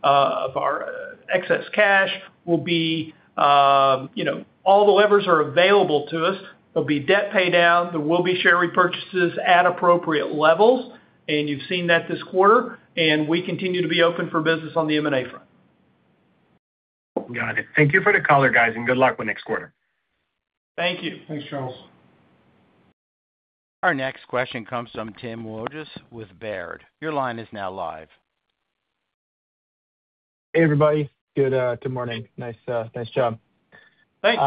our excess cash will be, all the levers are available to us. There'll be debt pay downs. There will be share repurchases at appropriate levels, and you've seen that this quarter, and we continue to be open for business on the M&A front. Got it. Thank you for the color, guys, and good luck next quarter. Thank you. Thanks, Charles. Our next question comes from Tim Wojs with Baird. Your line is now live. Hey, everybody. Good morning. Nice job. Thanks.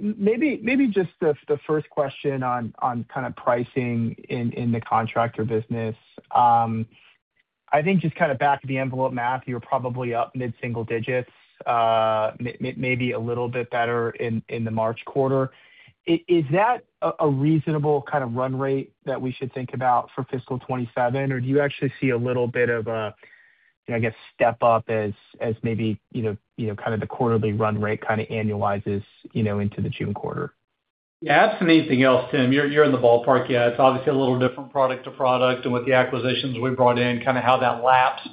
Maybe just the first question on kind of pricing in the contractor business. I think just kind of back of the envelope math, you're probably up mid-single digits, maybe a little bit better in the March quarter. Is that a reasonable kind of run rate that we should think about for fiscal 2027, or do you actually see a little bit of a step-up as maybe the quarterly run rate annualizes into the June quarter? Yeah, absent anything else, Tim, you're in the ballpark. Yeah, it's obviously a little different product to product and with the acquisitions we've brought in, kind of how that laps.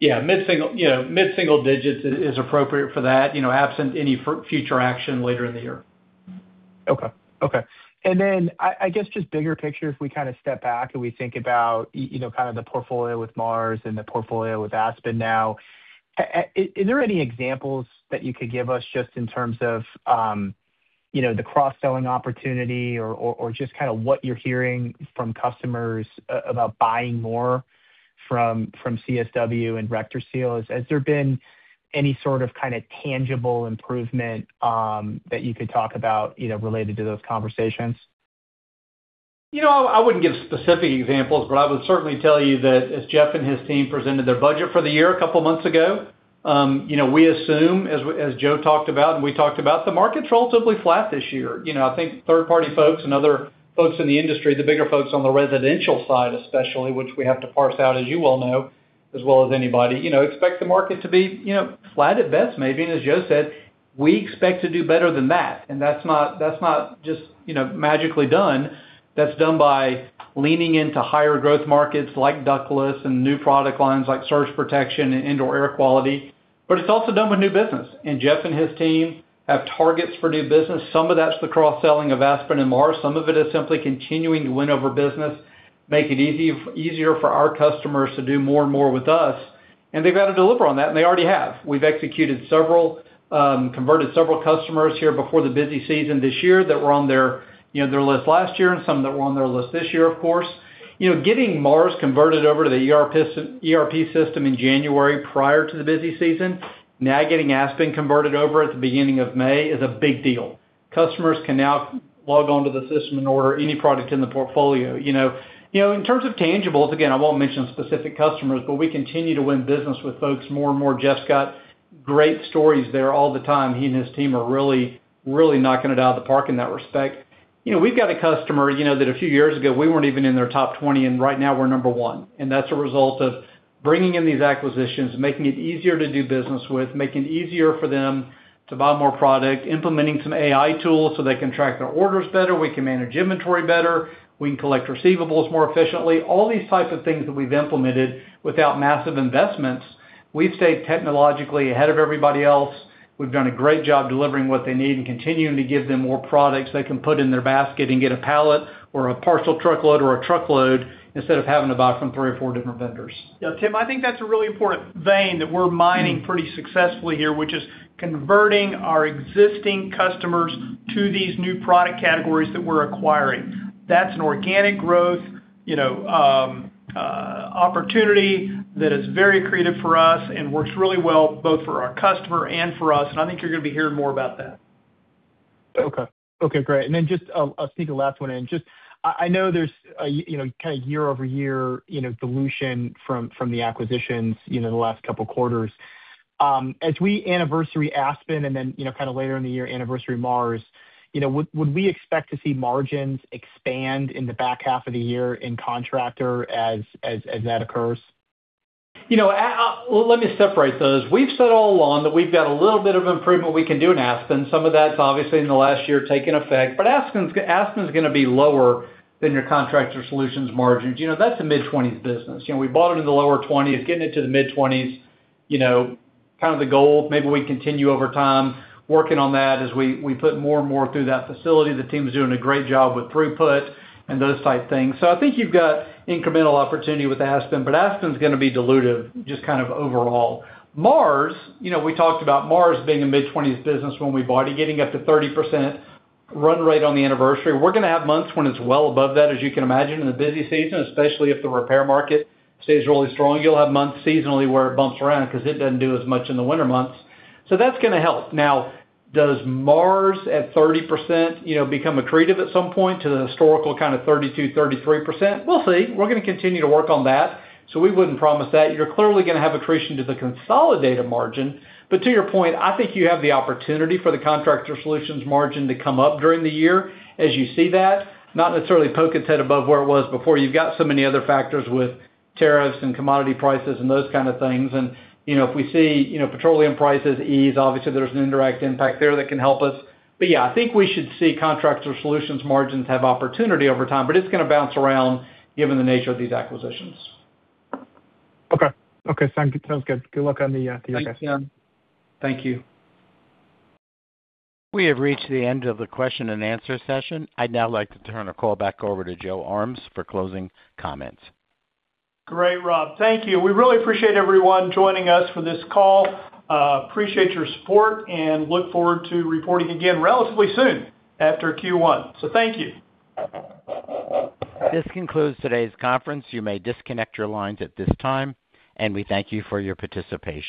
Yeah, mid-single digits is appropriate for that, absent any future action later in the year. Okay. Then I guess just bigger picture, if we step back and we think about the portfolio with MARS and the portfolio with Aspen now, are there any examples that you could give us just in terms of the cross-selling opportunity or just what you're hearing from customers about buying more from CSW and RectorSeal? Has there been any sort of tangible improvement that you could talk about related to those conversations? I wouldn't give specific examples, but I would certainly tell you that as Jeff and his team presented their budget for the year a couple of months ago, we assume, as Joe talked about, and we talked about, the market's relatively flat this year. I think third-party folks and other folks in the industry, the bigger folks on the residential side especially, which we have to parse out, as you well know, as well as anybody, expect the market to be flat at best, maybe. As Joe said, we expect to do better than that. That's not just magically done. That's done by leaning into higher growth markets like ductless and new product lines like Surge Protection and Indoor Air Quality. It's also done with new business. Jeff and his team have targets for new business. Some of that's the cross-selling of Aspen and MARS. Some of it is simply continuing to win over business, make it easier for our customers to do more and more with us, and they've got to deliver on that, and they already have. We've converted several customers here before the busy season this year that were on their list last year, and some that were on their list this year, of course. MARS parts converted over to the ERP system in January prior to the busy season, now getting Aspen converted over at the beginning of May is a big deal. Customers can now log on to the system and order any product in the portfolio. In terms of tangibles, again, I won't mention specific customers, but we continue to win business with folks more and more. Jeff's got great stories there all the time. He and his team are really knocking it out of the park in that respect. We've got a customer, that a few years ago, we weren't even in their top 20, and right now we're number one, and that's a result of bringing in these acquisitions, making it easier to do business with, making it easier for them to buy more product, implementing some AI tools so they can track their orders better, we can manage inventory better, we can collect receivables more efficiently. All these types of things that we've implemented without massive investments. We've stayed technologically ahead of everybody else. We've done a great job delivering what they need and continuing to give them more products they can put in their basket and get a pallet or a partial truckload or a truckload instead of having to buy from three or four different vendors. Yeah, Tim, I think that's a really important vein that we're mining pretty successfully here, which is converting our existing customers to these new product categories that we're acquiring. That's an organic growth opportunity that is very accretive for us and works really well both for our customer and for us, and I think you're going to be hearing more about that. Okay. Great. Just, I'll sneak a last one in. Just, I know there's kind of year-over-year dilution from the acquisitions the last couple of quarters. As we anniversary Aspen, kind of later in the year anniversary MARS, would we expect to see margins expand in the back half of the year in Contractor as that occurs? Let me separate those. We've said all along that we've got a little bit of improvement we can do in Aspen. Some of that's obviously in the last year taken effect. Aspen's going to be lower than your Contractor Solutions margins. That's a mid-20s business. We bought it in the lower 20s, getting it to the mid-20s, kind of the goal. Maybe we continue over time working on that as we put more and more through that facility. The team's doing a great job with throughput and those type things. I think you've got incremental opportunity with Aspen, but Aspen's going to be dilutive just kind of overall. MARS, we talked about MARS being a mid-20s business when we bought it, getting up to 30% run rate on the anniversary. We're going to have months when it's well above that, as you can imagine, in the busy season, especially if the repair market stays really strong. You'll have months seasonally where it bumps around because it doesn't do as much in the winter months. That's going to help. Now, MARS parts at 30% become accretive at some point to the historical kind of 32%, 33%? We'll see. We're going to continue to work on that. We wouldn't promise that. You're clearly going to have accretion to the consolidated margin. To your point, I think you have the opportunity for the Contractor Solutions margin to come up during the year as you see that. Not necessarily poke its head above where it was before. You've got so many other factors with tariffs and commodity prices and those kind of things. If we see petroleum prices ease, obviously there's an indirect impact there that can help us. Yeah, I think we should see Contractor Solutions margins have opportunity over time, but it's going to bounce around given the nature of these acquisitions. Okay. Sounds good. Good luck on the year to you guys. Thanks, Tim. Thank you. We have reached the end of the question and answer session. I'd now like to turn the call back over to Joe Armes for closing comments. Great, Rob. Thank you. We really appreciate everyone joining us for this call. Appreciate your support and look forward to reporting again relatively soon after Q1. Thank you. This concludes today's conference. You may disconnect your lines at this time and we thank you for your participation